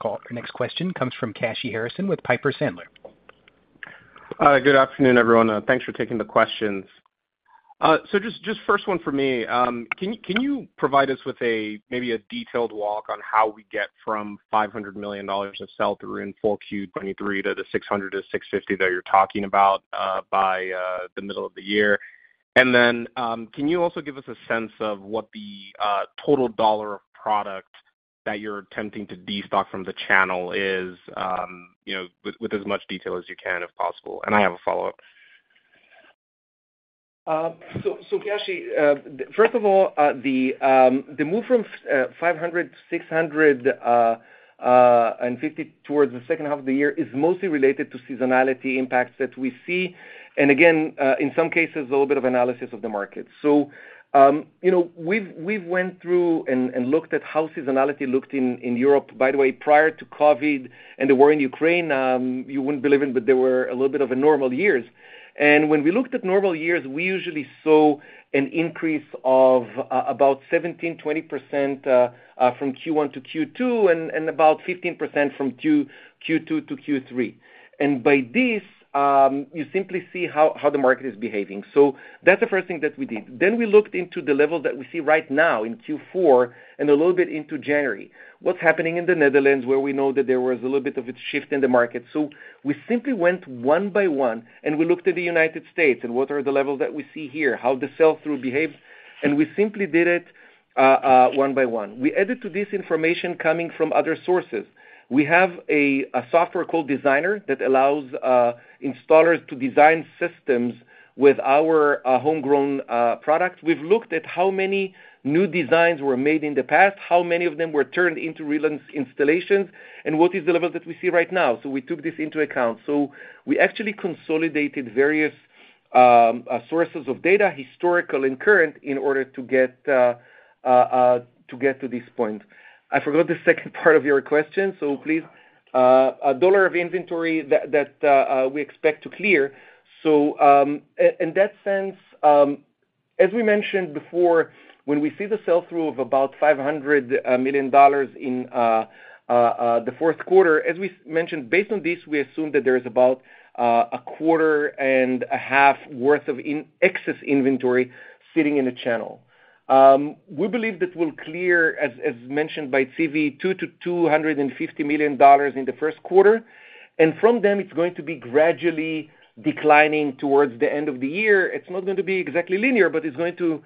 question comes from Kashy Harrison with Piper Sandler. Good afternoon, everyone. Thanks for taking the questions. So just, just first one for me, can you, can you provide us with a, maybe a detailed walk on how we get from $500 million of sell-through in full Q23 to the $600 million-$650 million that you're talking about, by the middle of the year? And then, can you also give us a sense of what the total dollar of product that you're attempting to destock from the channel is, you know, with, with as much detail as you can, if possible? And I have a follow-up. So Kashy, first of all, the move from 500 to 650 towards the second half of the year is mostly related to seasonality impacts that we see. And again, in some cases, a little bit of analysis of the market. So, you know, we've went through and looked at how seasonality looked in Europe. By the way, prior to COVID and the war in Ukraine, you wouldn't believe it, but there were a little bit of a normal years. And when we looked at normal years, we usually saw an increase of about 17%-20% from Q1 to Q2, and about 15% from Q2 to Q3. And by this, you simply see how the market is behaving. So that's the first thing that we did. Then we looked into the level that we see right now in Q4 and a little bit into January. What's happening in the Netherlands, where we know that there was a little bit of a shift in the market? So we simply went one by one, and we looked at the United States, and what are the levels that we see here, how the sell-through behaved, and we simply did it one by one. We added to this information coming from other sources. We have a software called Designer that allows installers to design systems with our homegrown products. We've looked at how many new designs were made in the past, how many of them were turned into real installations, and what is the level that we see right now? So we took this into account. So we actually consolidated various sources of data, historical and current, in order to get to this point. I forgot the second part of your question, so please... a dollar of inventory that we expect to clear. So, in that sense, as we mentioned before, when we see the sell-through of about $500 million in the fourth quarter, as we mentioned, based on this, we assume that there is about a quarter and a half worth of excess inventory sitting in the channel. We believe that we'll clear, as mentioned by Zvi, $200 million-$250 million in the first quarter, and from then it's going to be gradually declining towards the end of the year. It's not going to be exactly linear, but it's going to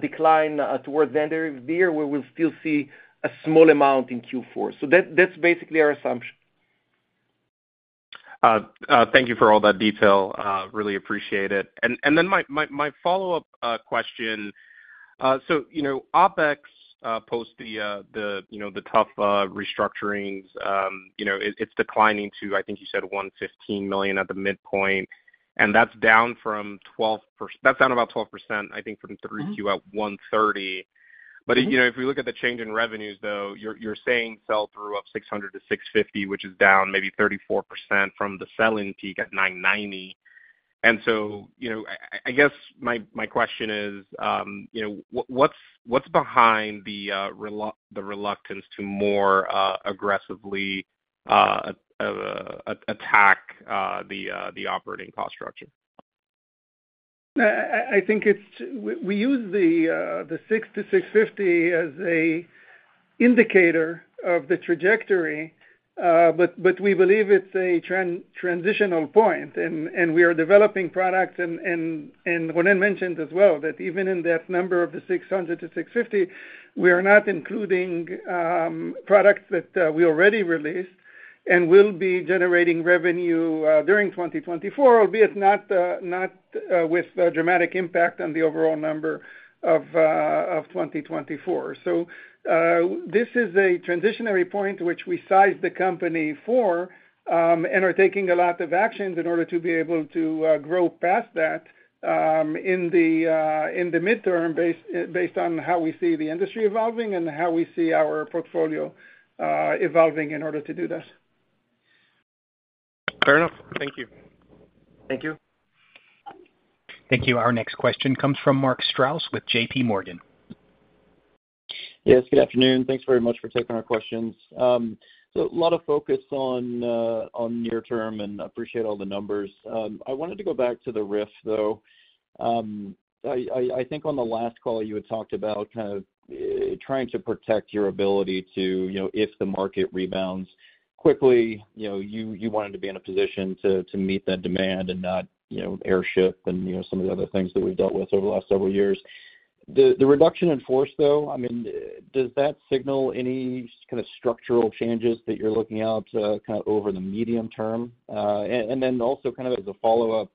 decline towards the end of the year, where we'll still see a small amount in Q4. So that, that's basically our assumption. Thank you for all that detail. Really appreciate it. And then my follow-up question. So, you know, OpEx post the tough restructurings, you know, it's declining to, I think you said $115 million at the midpoint, and that's down from— that's down about 12%, I think, from- Mm-hmm... 3Q at 1:30. Mm-hmm. But, you know, if we look at the change in revenues, though, you're saying sell-through of 600-650, which is down maybe 34% from the selling peak at 990. And so, you know, I guess my question is, you know, what's behind the reluctance to more aggressively attack the operating cost structure? I think it's we use the 600-650 as an indicator of the trajectory, but we believe it's a transitional point, and we are developing products. And Ronen mentioned as well that even in that number of the 600-650, we are not including products that we already released and will be generating revenue during 2024, albeit not with a dramatic impact on the overall number of 2024. So, this is a transitional point, which we sized the company for, and are taking a lot of actions in order to be able to grow past that, in the midterm, based on how we see the industry evolving and how we see our portfolio evolving in order to do this. Fair enough. Thank you. Thank you. Thank you. Our next question comes from Mark Strouse with JPMorgan. Yes, good afternoon. Thanks very much for taking our questions. So a lot of focus on on near term, and I appreciate all the numbers. I wanted to go back to the RIF, though. I think on the last call, you had talked about kind of trying to protect your ability to, you know, if the market rebounds quickly, you know, you wanted to be in a position to meet that demand and not, you know, airship and, you know, some of the other things that we've dealt with over the last several years. The reduction in force, though, I mean, does that signal any kind of structural changes that you're looking out, kind of over the medium term? And, and then also kind of as a follow-up,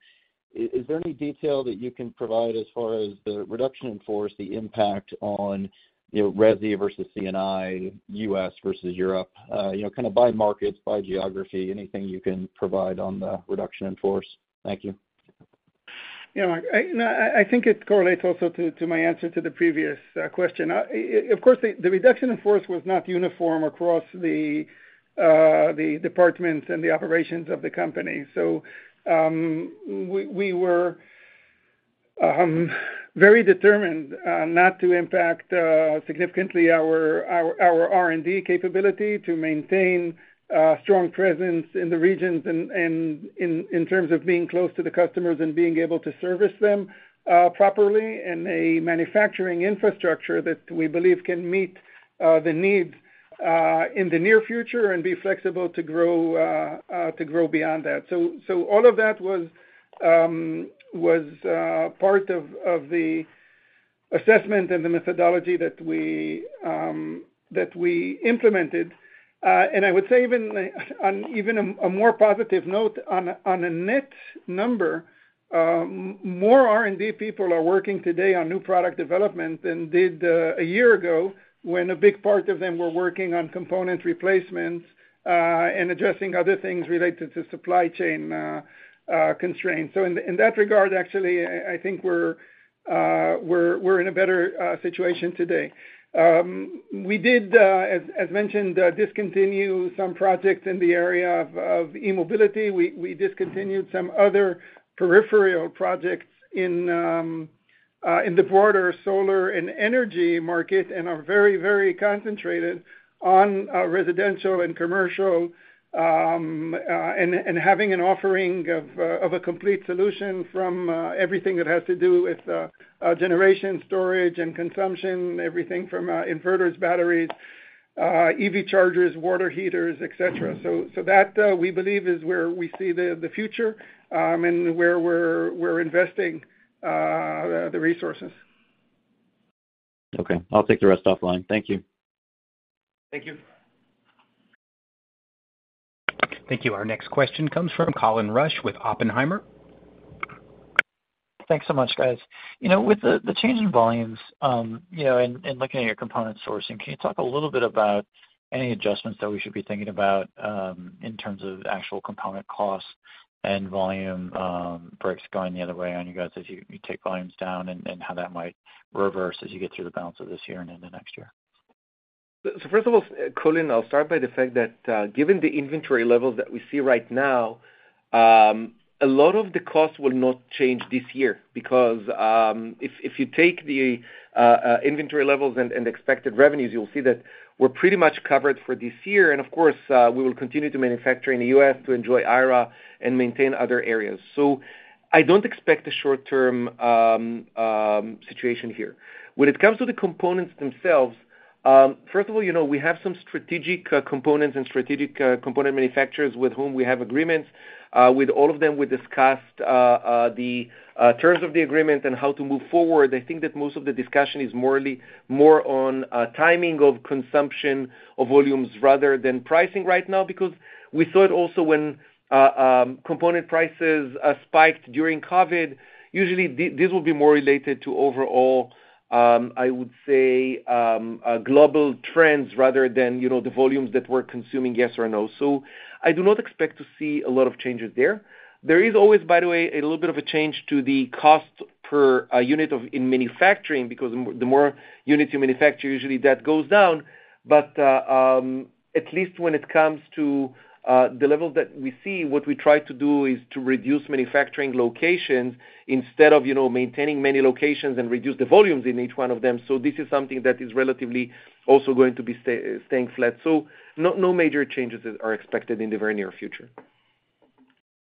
is there any detail that you can provide as far as the reduction in force, the impact on, you know, resi versus C&I, U.S. versus Europe? You know, kind of by markets, by geography, anything you can provide on the reduction in force. Thank you. Yeah, Mark, I think it correlates also to my answer to the previous question. Of course, the reduction in force was not uniform across the departments and the operations of the company. So, we were very determined not to impact significantly our R&D capability to maintain strong presence in the regions and in terms of being close to the customers and being able to service them properly. And a manufacturing infrastructure that we believe can meet the needs in the near future and be flexible to grow beyond that. So all of that was part of the assessment and the methodology that we-... that we implemented, and I would say even on even a more positive note, on a net number, more R&D people are working today on new product development than did a year ago, when a big part of them were working on component replacements and addressing other things related to supply chain constraints. So in that regard, actually, I think we're in a better situation today. We did, as mentioned, discontinue some projects in the area of e-Mobility. We discontinued some other peripheral projects in the broader solar and energy market, and are very, very concentrated on residential and commercial, and having an offering of a complete solution from everything that has to do with generation, storage, and consumption, everything from inverters, batteries, EV chargers, water heaters, etc. So that we believe is where we see the future, and where we're investing the resources. Okay. I'll take the rest offline. Thank you. Thank you. Thank you. Our next question comes from Colin Rusch with Oppenheimer. Thanks so much, guys. You know, with the change in volumes, you know, and looking at your component sourcing, can you talk a little bit about any adjustments that we should be thinking about, in terms of actual component costs and volume breaks going the other way on you guys as you take volumes down, and how that might reverse as you get through the balance of this year and into next year? So first of all, Colin, I'll start by the fact that, given the inventory levels that we see right now, a lot of the costs will not change this year because, if you take the inventory levels and expected revenues, you'll see that we're pretty much covered for this year. And of course, we will continue to manufacture in the U.S. to enjoy IRA and maintain other areas. So I don't expect a short-term situation here. When it comes to the components themselves, first of all, you know, we have some strategic components and strategic component manufacturers with whom we have agreements. With all of them, we discussed the terms of the agreement and how to move forward. I think that most of the discussion is more on timing of consumption of volumes rather than pricing right now, because we saw it also when component prices spiked during COVID. Usually, this will be more related to overall, I would say, global trends rather than, you know, the volumes that we're consuming, yes or no. So I do not expect to see a lot of changes there. There is always, by the way, a little bit of a change to the cost per unit in manufacturing, because the more units you manufacture, usually that goes down. But at least when it comes to the levels that we see, what we try to do is to reduce manufacturing locations instead of, you know, maintaining many locations and reduce the volumes in each one of them. So this is something that is relatively also going to be staying flat. So no, no major changes are expected in the very near future.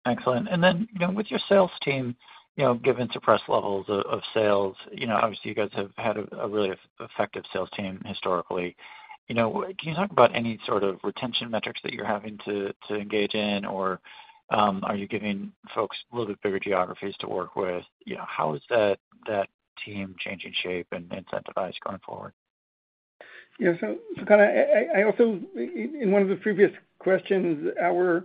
Excellent. And then, you know, with your sales team, you know, given suppressed levels of, of sales, you know, obviously, you guys have had a, a really effective sales team historically. You know, can you talk about any sort of retention metrics that you're having to, to engage in, or, are you giving folks a little bit bigger geographies to work with? You know, how is that, that team changing shape and incentivized going forward? Yeah, so kind of I also in one of the previous questions, our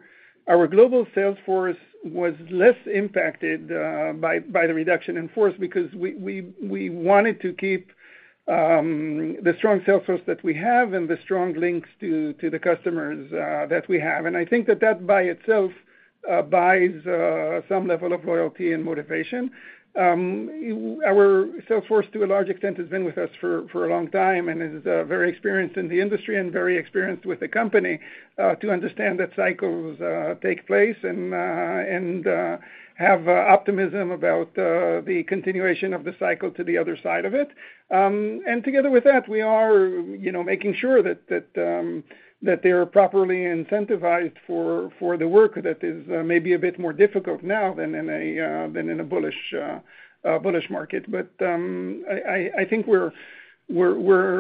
global sales force was less impacted by the reduction in force because we wanted to keep the strong sales force that we have and the strong links to the customers that we have. And I think that by itself buys some level of loyalty and motivation. Our sales force, to a large extent, has been with us for a long time and is very experienced in the industry and very experienced with the company to understand that cycles take place and have optimism about the continuation of the cycle to the other side of it. And together with that, we are, you know, making sure that they're properly incentivized for the work that is maybe a bit more difficult now than in a bullish market. But I think we're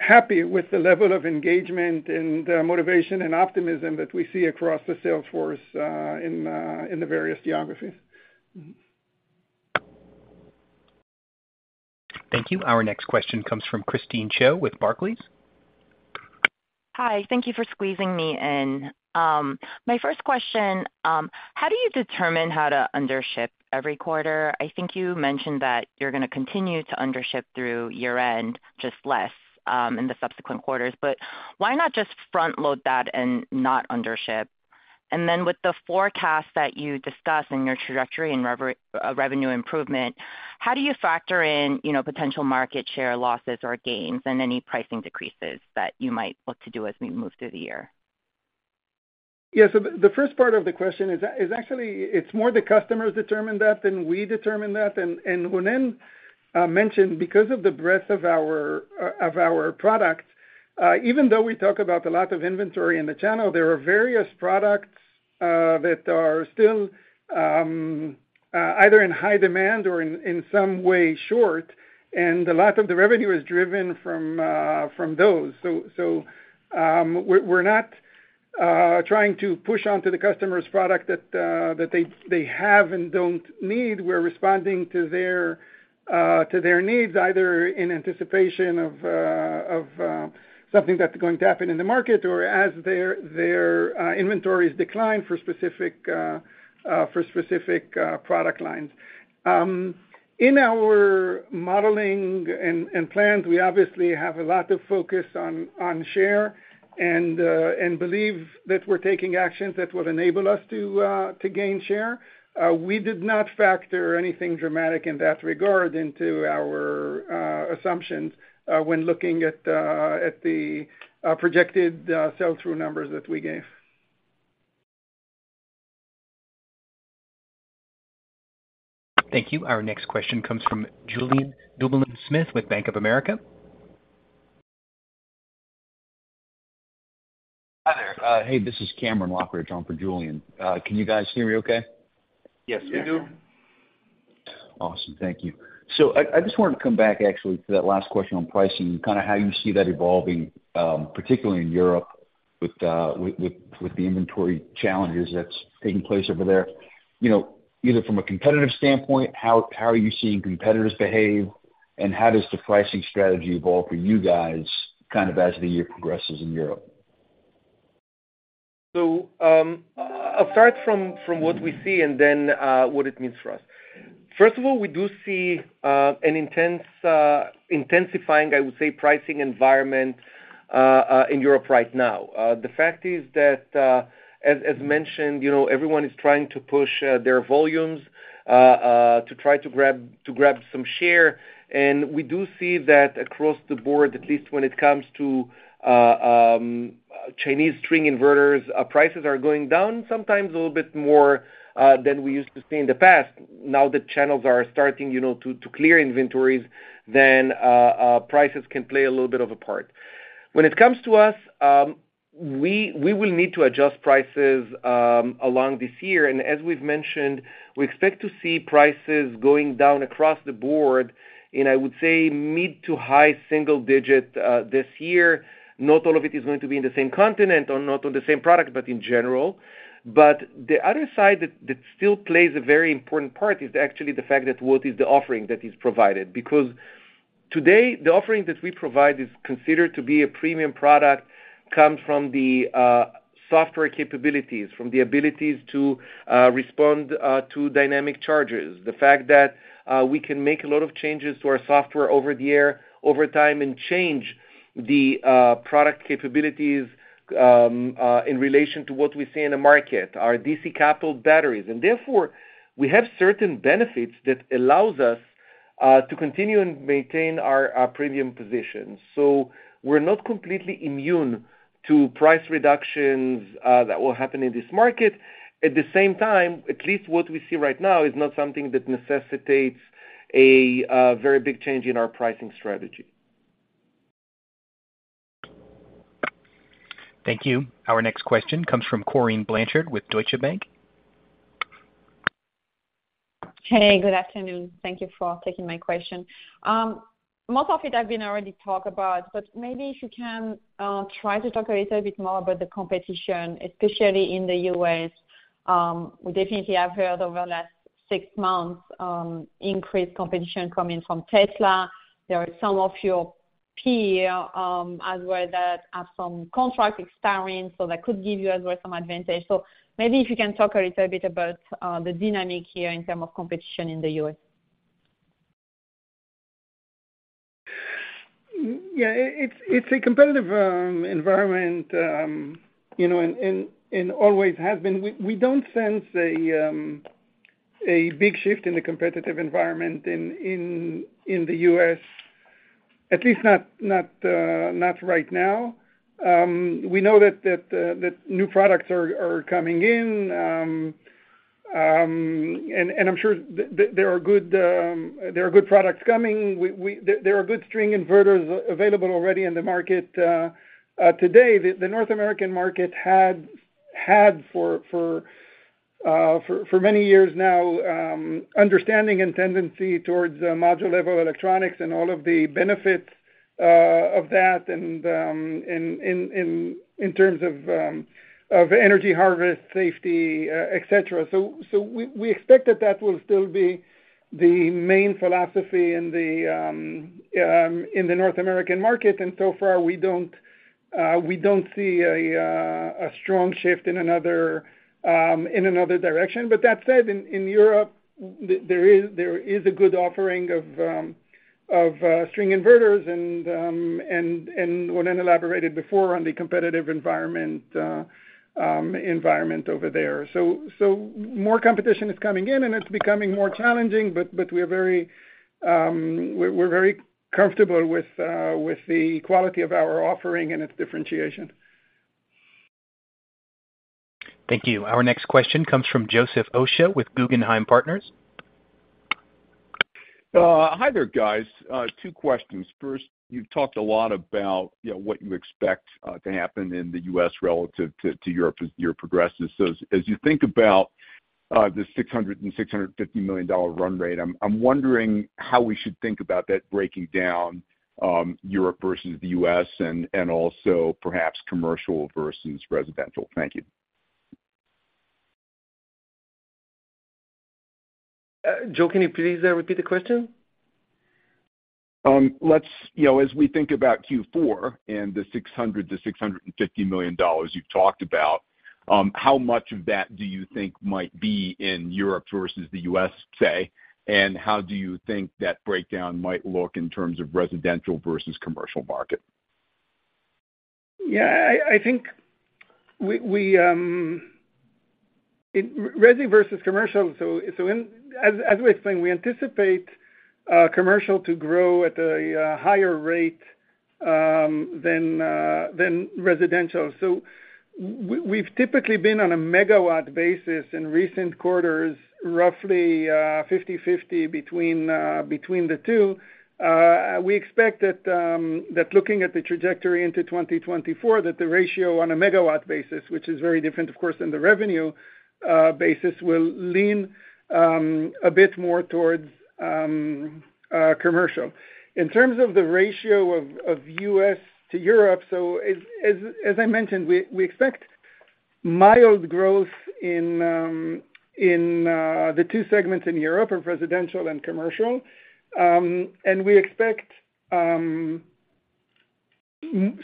happy with the level of engagement and motivation and optimism that we see across the sales force in the various geographies. Thank you. Our next question comes from Christine Cho with Barclays. Hi, thank you for squeezing me in. My first question: How do you determine how to undership every quarter? I think you mentioned that you're gonna continue to undership through year-end, just less in the subsequent quarters, but why not just front-load that and not undership? And then with the forecast that you discussed in your trajectory and revenue improvement, how do you factor in, you know, potential market share losses or gains and any pricing decreases that you might look to do as we move through the year? Yeah, so the first part of the question is actually, it's more the customers determine that than we determine that. And Ronen mentioned, because of the breadth of our product, even though we talk about a lot of inventory in the channel, there are various products that are still either in high demand or in some way short, and a lot of the revenue is driven from those. So we're not trying to push onto the customer's product that they have and don't need. We're responding to their needs, either in anticipation of something that's going to happen in the market or as their inventories decline for specific product lines. In our modeling and plans, we obviously have a lot of focus on share, and believe that we're taking actions that will enable us to gain share. We did not factor anything dramatic in that regard into our assumptions when looking at the projected sell-through numbers that we gave. Thank you. Our next question comes from Julian Dubinon-Smith with Bank of America. Hi, there. Hey, this is Cameron Lochridge on for Julian. Can you guys hear me okay? Yes, we do. Awesome. Thank you. So I just wanted to come back actually to that last question on pricing, kind of how you see that evolving, particularly in Europe with the inventory challenges that's taking place over there. You know, either from a competitive standpoint, how are you seeing competitors behave? And how does the pricing strategy evolve for you guys, kind of as the year progresses in Europe? So, I'll start from what we see and then what it means for us. First of all, we do see an intense intensifying, I would say, pricing environment in Europe right now. The fact is that, as mentioned, you know, everyone is trying to push their volumes to try to grab some share. And we do see that across the board, at least when it comes to Chinese string inverters, prices are going down sometimes a little bit more than we used to see in the past. Now the channels are starting, you know, to clear inventories, then prices can play a little bit of a part. When it comes to us, we will need to adjust prices along this year. As we've mentioned, we expect to see prices going down across the board in, I would say, mid- to high-single-digit, this year. Not all of it is going to be in the same continent or not on the same product, but in general. But the other side that, that still plays a very important part is actually the fact that what is the offering that is provided? Because today, the offering that we provide is considered to be a premium product, comes from the, software capabilities, from the abilities to, respond, to dynamic charges. The fact that, we can make a lot of changes to our software over-the-air, over time, and change the, product capabilities, in relation to what we see in the market, our DC-coupled batteries. And therefore, we have certain benefits that allows us to continue and maintain our premium position. So we're not completely immune to price reductions that will happen in this market. At the same time, at least what we see right now, is not something that necessitates a very big change in our pricing strategy. Thank you. Our next question comes from Corinne Blanchard with Deutsche Bank. Hey, good afternoon. Thank you for taking my question. Most of it I've been already talked about, but maybe if you can try to talk a little bit more about the competition, especially in the U.S. We definitely have heard over the last six months increased competition coming from Tesla. There are some of your peer as well that have some contracts expiring, so that could give you as well some advantage. So maybe if you can talk a little bit about the dynamic here in term of competition in the U.S. Yeah, it's a competitive environment, you know, and always has been. We don't sense a big shift in the competitive environment in the U.S., at least not right now. We know that new products are coming in. And I'm sure there are good products coming. There are good string inverters available already in the market today. The North American market had for many years now understanding and tendency towards module-level electronics and all of the benefits of that, and in terms of energy harvest, safety, et cetera. So we expect that that will still be the main philosophy in the North American market, and so far we don't see a strong shift in another direction. But that said, in Europe, there is a good offering of string inverters and what I elaborated before on the competitive environment over there. So more competition is coming in, and it's becoming more challenging, but we are very comfortable with the quality of our offering and its differentiation. Thank you. Our next question comes from Joseph Osha with Guggenheim Partners. Hi there, guys. Two questions. First, you've talked a lot about, you know, what you expect to happen in the U.S. relative to Europe as the year progresses. So as you think about the $600 million-$650 million run rate, I'm wondering how we should think about that breaking down, Europe versus the U.S. and also perhaps commercial versus residential. Thank you. Joe, can you please repeat the question? Let's, you know, as we think about Q4 and the $600 million-$650 million you've talked about, how much of that do you think might be in Europe versus the US, say, and how do you think that breakdown might look in terms of residential versus commercial market? Yeah, I think we residential versus commercial. As we explained, we anticipate commercial to grow at a higher rate than residential. So we've typically been on a megawatt basis in recent quarters, roughly 50/50 between the two. We expect that looking at the trajectory into 2024, that the ratio on a megawatt basis, which is very different of course than the revenue basis, will lean a bit more towards commercial. In terms of the ratio of U.S. to Europe, so as I mentioned, we expect mild growth in the two segments in Europe, in residential and commercial. And we expect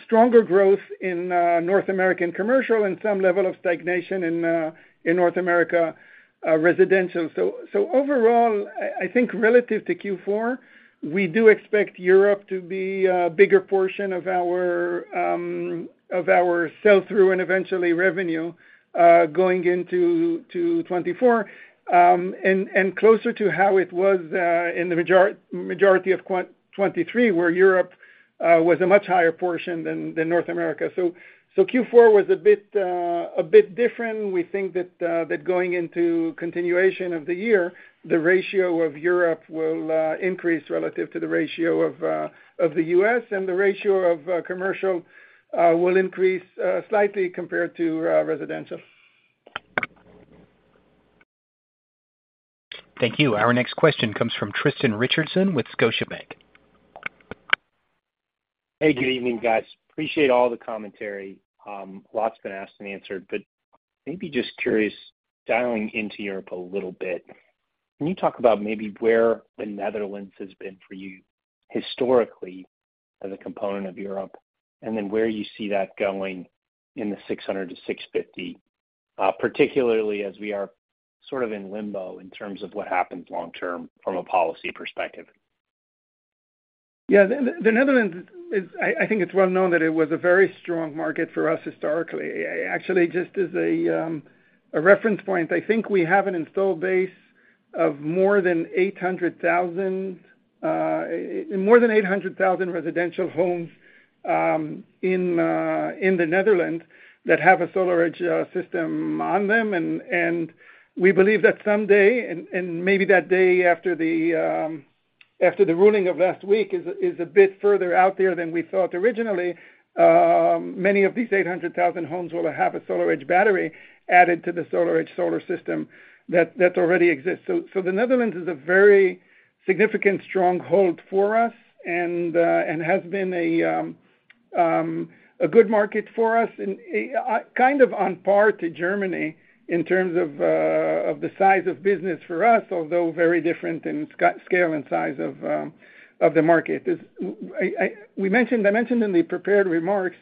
stronger growth in North American commercial and some level of stagnation in North America residential. Overall, I think relative to Q4, we do expect Europe to be a bigger portion of our sell-through and eventually revenue going into 2024. And closer to how it was in the majority of 2023, where Europe was a much higher portion than North America. Q4 was a bit different. We think that going into continuation of the year, the ratio of Europe will increase relative to the ratio of the US, and the ratio of commercial will increase slightly compared to residential. Thank you. Our next question comes from Tristan Richardson with Scotiabank. Hey, good evening, guys. Appreciate all the commentary. Lot's been asked and answered, but maybe just curious, dialing into Europe a little bit, can you talk about maybe where the Netherlands has been for you historically as a component of Europe, and then where you see that going in the 600-650, particularly as we are sort of in limbo in terms of what happens long term from a policy perspective? Yeah, the Netherlands is... I think it's well known that it was a very strong market for us historically. Actually, just as a reference point, I think we have an installed base of more than 800,000 residential homes in the Netherlands that have a SolarEdge system on them. And we believe that someday, and maybe that day after the ruling of last week is a bit further out there than we thought originally, many of these 800,000 homes will have a SolarEdge battery added to the SolarEdge solar system that already exists. So, the Netherlands is a very significant stronghold for us and has been a good market for us, and kind of on par to Germany in terms of the size of business for us, although very different in scale and size of the market. We mentioned, I mentioned in the prepared remarks,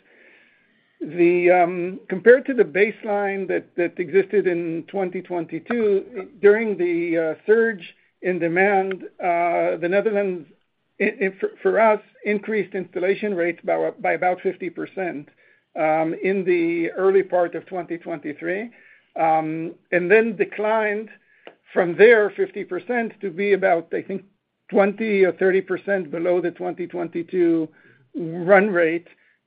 compared to the baseline that existed in 2022, during the surge in demand, the Netherlands for us increased installation rates by about 50% in the early part of 2023. And then declined from there 50% to be about, I think, 20% or 30% below the 2022 run rate,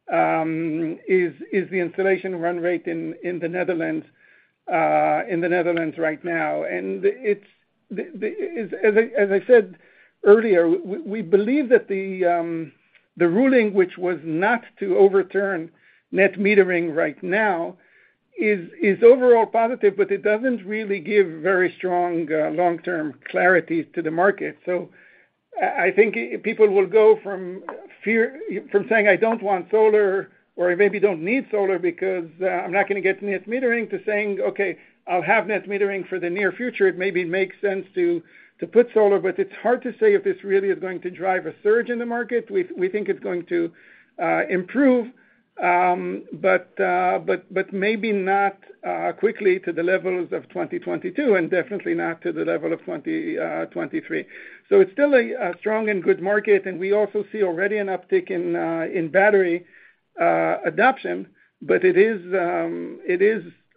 is the installation run rate in the Netherlands right now. And it's the, as I said earlier, we believe that the ruling, which was not to overturn net metering right now, is overall positive, but it doesn't really give very strong long-term clarity to the market. So I think people will go from fear- from saying, "I don't want solar," or, "I maybe don't need solar because, I'm not gonna get net metering," to saying, "Okay, I'll have net metering for the near future. It maybe makes sense to, to put solar." But it's hard to say if this really is going to drive a surge in the market. We think it's going to improve, but maybe not quickly to the levels of 2022, and definitely not to the level of 2023. So it's still a strong and good market, and we also see already an uptick in battery adoption, but it is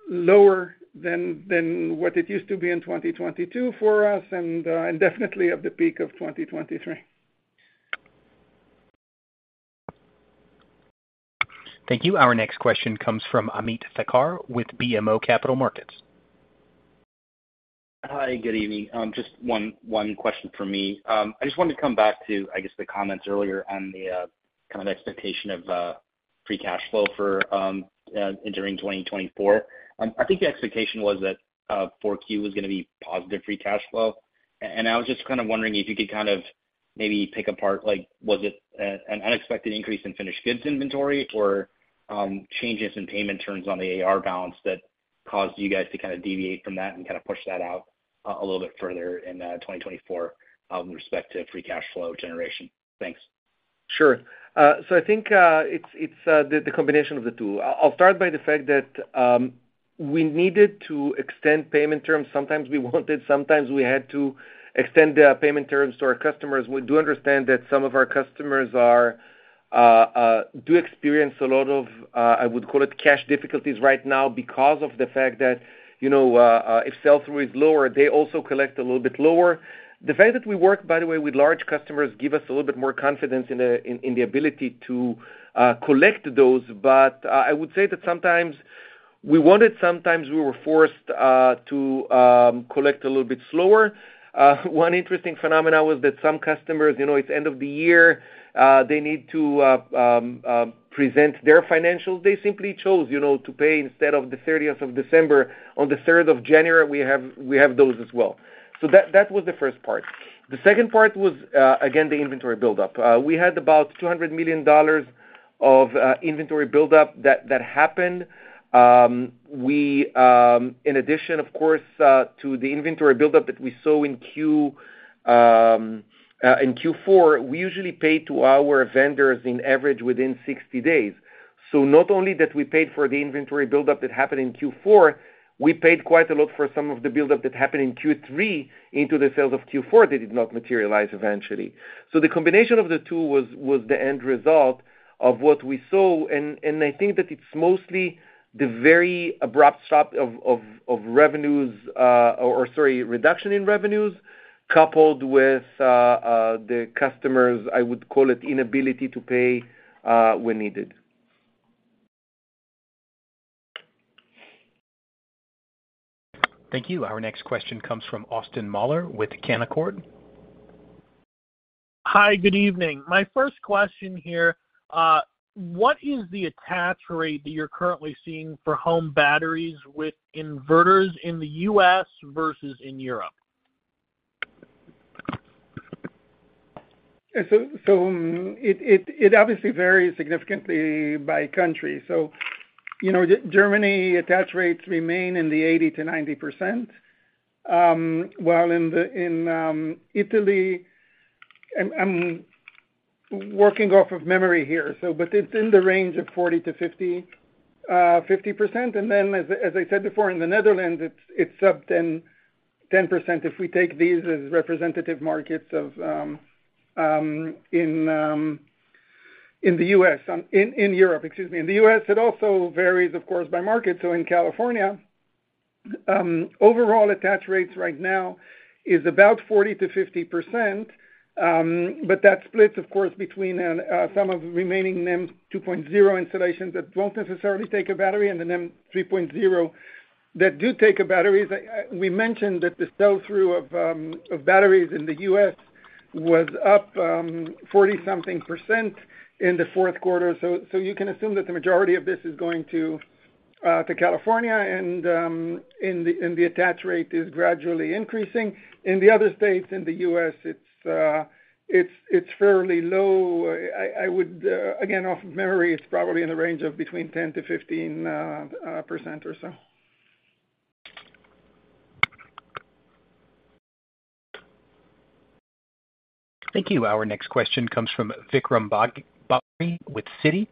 lower than what it used to be in 2022 for us, and definitely of the peak of 2023. Thank you. Our next question comes from Ameet Thakkar with BMO Capital Markets. Hi, good evening. Just one, one question for me. I just wanted to come back to, I guess, the comments earlier on the kind of expectation of,... free cash flow for entering 2024. I think the expectation was that Q4 was going to be positive free cash flow. I was just kind of wondering if you could kind of maybe pick apart, like, was it an unexpected increase in finished goods inventory or changes in payment terms on the AR balance that caused you guys to kind of deviate from that and kind of push that out a little bit further in 2024 with respect to free cash flow generation? Thanks. Sure. So I think it's the combination of the two. I'll start by the fact that we needed to extend payment terms. Sometimes we wanted, sometimes we had to extend the payment terms to our customers. We do understand that some of our customers are do experience a lot of I would call it cash difficulties right now because of the fact that, you know, if sell-through is lower, they also collect a little bit lower. The fact that we work, by the way, with large customers, give us a little bit more confidence in the ability to collect those. But I would say that sometimes we wanted, sometimes we were forced to collect a little bit slower. One interesting phenomenon was that some customers, you know, it's end of the year, they need to present their financials. They simply chose, you know, to pay instead of the 30th of December, on the 3rd of January, we have those as well. So that was the first part. The second part was, again, the inventory buildup. We had about $200 million of inventory buildup that happened. In addition, of course, to the inventory buildup that we saw in Q4, we usually pay to our vendors on average within 60 days. So not only that we paid for the inventory buildup that happened in Q4, we paid quite a lot for some of the buildup that happened in Q3 into the sales of Q4 that did not materialize eventually. So the combination of the two was the end result of what we saw, and I think that it's mostly the very abrupt stop of revenues, or sorry, reduction in revenues, coupled with the customers, I would call it, inability to pay when needed. Thank you. Our next question comes from Austin Moeller with Canaccord. Hi, good evening. My first question here, what is the attach rate that you're currently seeing for home batteries with inverters in the U.S. versus in Europe? It obviously varies significantly by country. So, you know, Germany, attach rates remain in the 80%-90%. While in Italy, I'm working off of memory here, but it's in the range of 40%-50%. And then, as I said before, in the Netherlands, it's up 10% if we take these as representative markets in the U.S., in Europe, excuse me. In the U.S., it also varies, of course, by market. So in California, overall attach rates right now is about 40%-50%, but that splits, of course, between some of the remaining NEM 2.0 installations that won't necessarily take a battery, and the NEM 3.0 that do take a battery. I, we mentioned that the sell-through of, of batteries in the U.S. was up, 40 something percent in the fourth quarter. So, so you can assume that the majority of this is going to, to California, and, and the, and the attach rate is gradually increasing. In the other states in the U.S., it's, it's, it's fairly low. I, I would, again, off memory, it's probably in the range of between 10-15% or so. Thank you. Our next question comes from Vikram Bagri with Citi.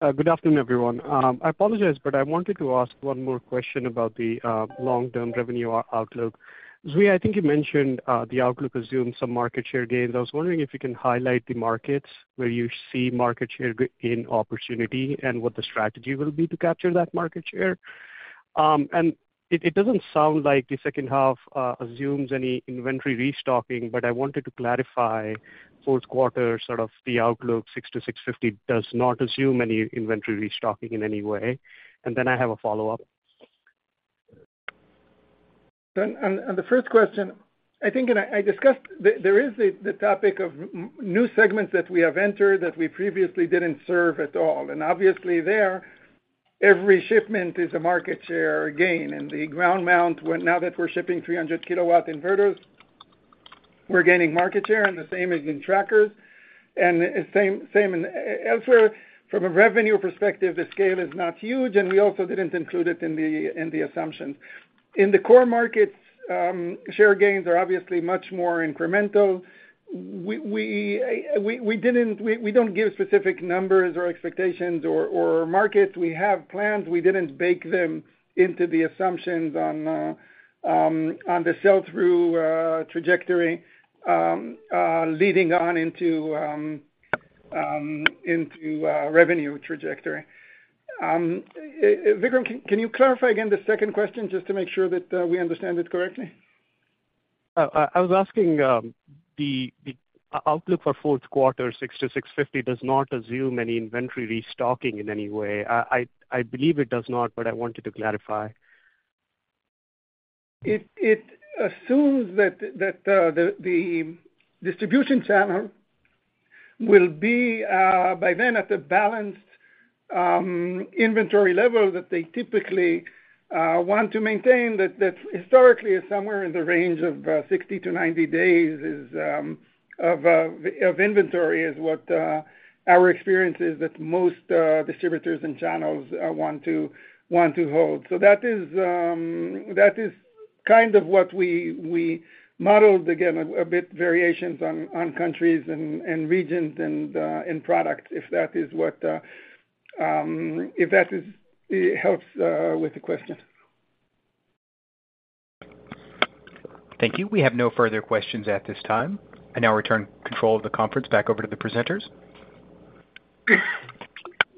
Good afternoon, everyone. I apologize, but I wanted to ask one more question about the long-term revenue outlook. Zvi, I think you mentioned the outlook assumes some market share gains. I was wondering if you can highlight the markets where you see market share gain opportunity and what the strategy will be to capture that market share. And it doesn't sound like the second half assumes any inventory restocking, but I wanted to clarify fourth quarter, sort of the outlook, $60 million-$65 million, does not assume any inventory restocking in any way. And then I have a follow-up. And the first question, I think, I discussed there is the topic of new segments that we have entered that we previously didn't serve at all. And obviously there, every shipment is a market share gain. And the ground mount, now that we're shipping 300 kW inverters, we're gaining market share, and the same as in trackers, and same in elsewhere. From a revenue perspective, the scale is not huge, and we also didn't include it in the assumptions. In the core markets, share gains are obviously much more incremental. We didn't—we don't give specific numbers or expectations or markets. We have plans. We didn't bake them into the assumptions on the sell-through trajectory leading on into revenue trajectory. Vikram, can you clarify again the second question, just to make sure that we understand it correctly? I was asking, the outlook for fourth quarter, $6-$650, does not assume any inventory restocking in any way. I believe it does not, but I wanted to clarify. It assumes that the distribution channel will be by then at a balanced inventory level that they typically want to maintain. That historically is somewhere in the range of 60-90 days of inventory is what our experience is that most distributors and channels want to hold. So that is kind of what we modeled, again, a bit variations on countries and regions and products, if that is what... It helps with the question. Thank you. We have no further questions at this time. I now return control of the conference back over to the presenters.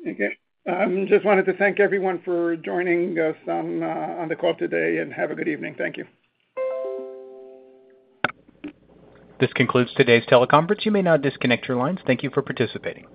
Okay. Just wanted to thank everyone for joining us on, on the call today, and have a good evening. Thank you. This concludes today's teleconference. You may now disconnect your lines. Thank you for participating.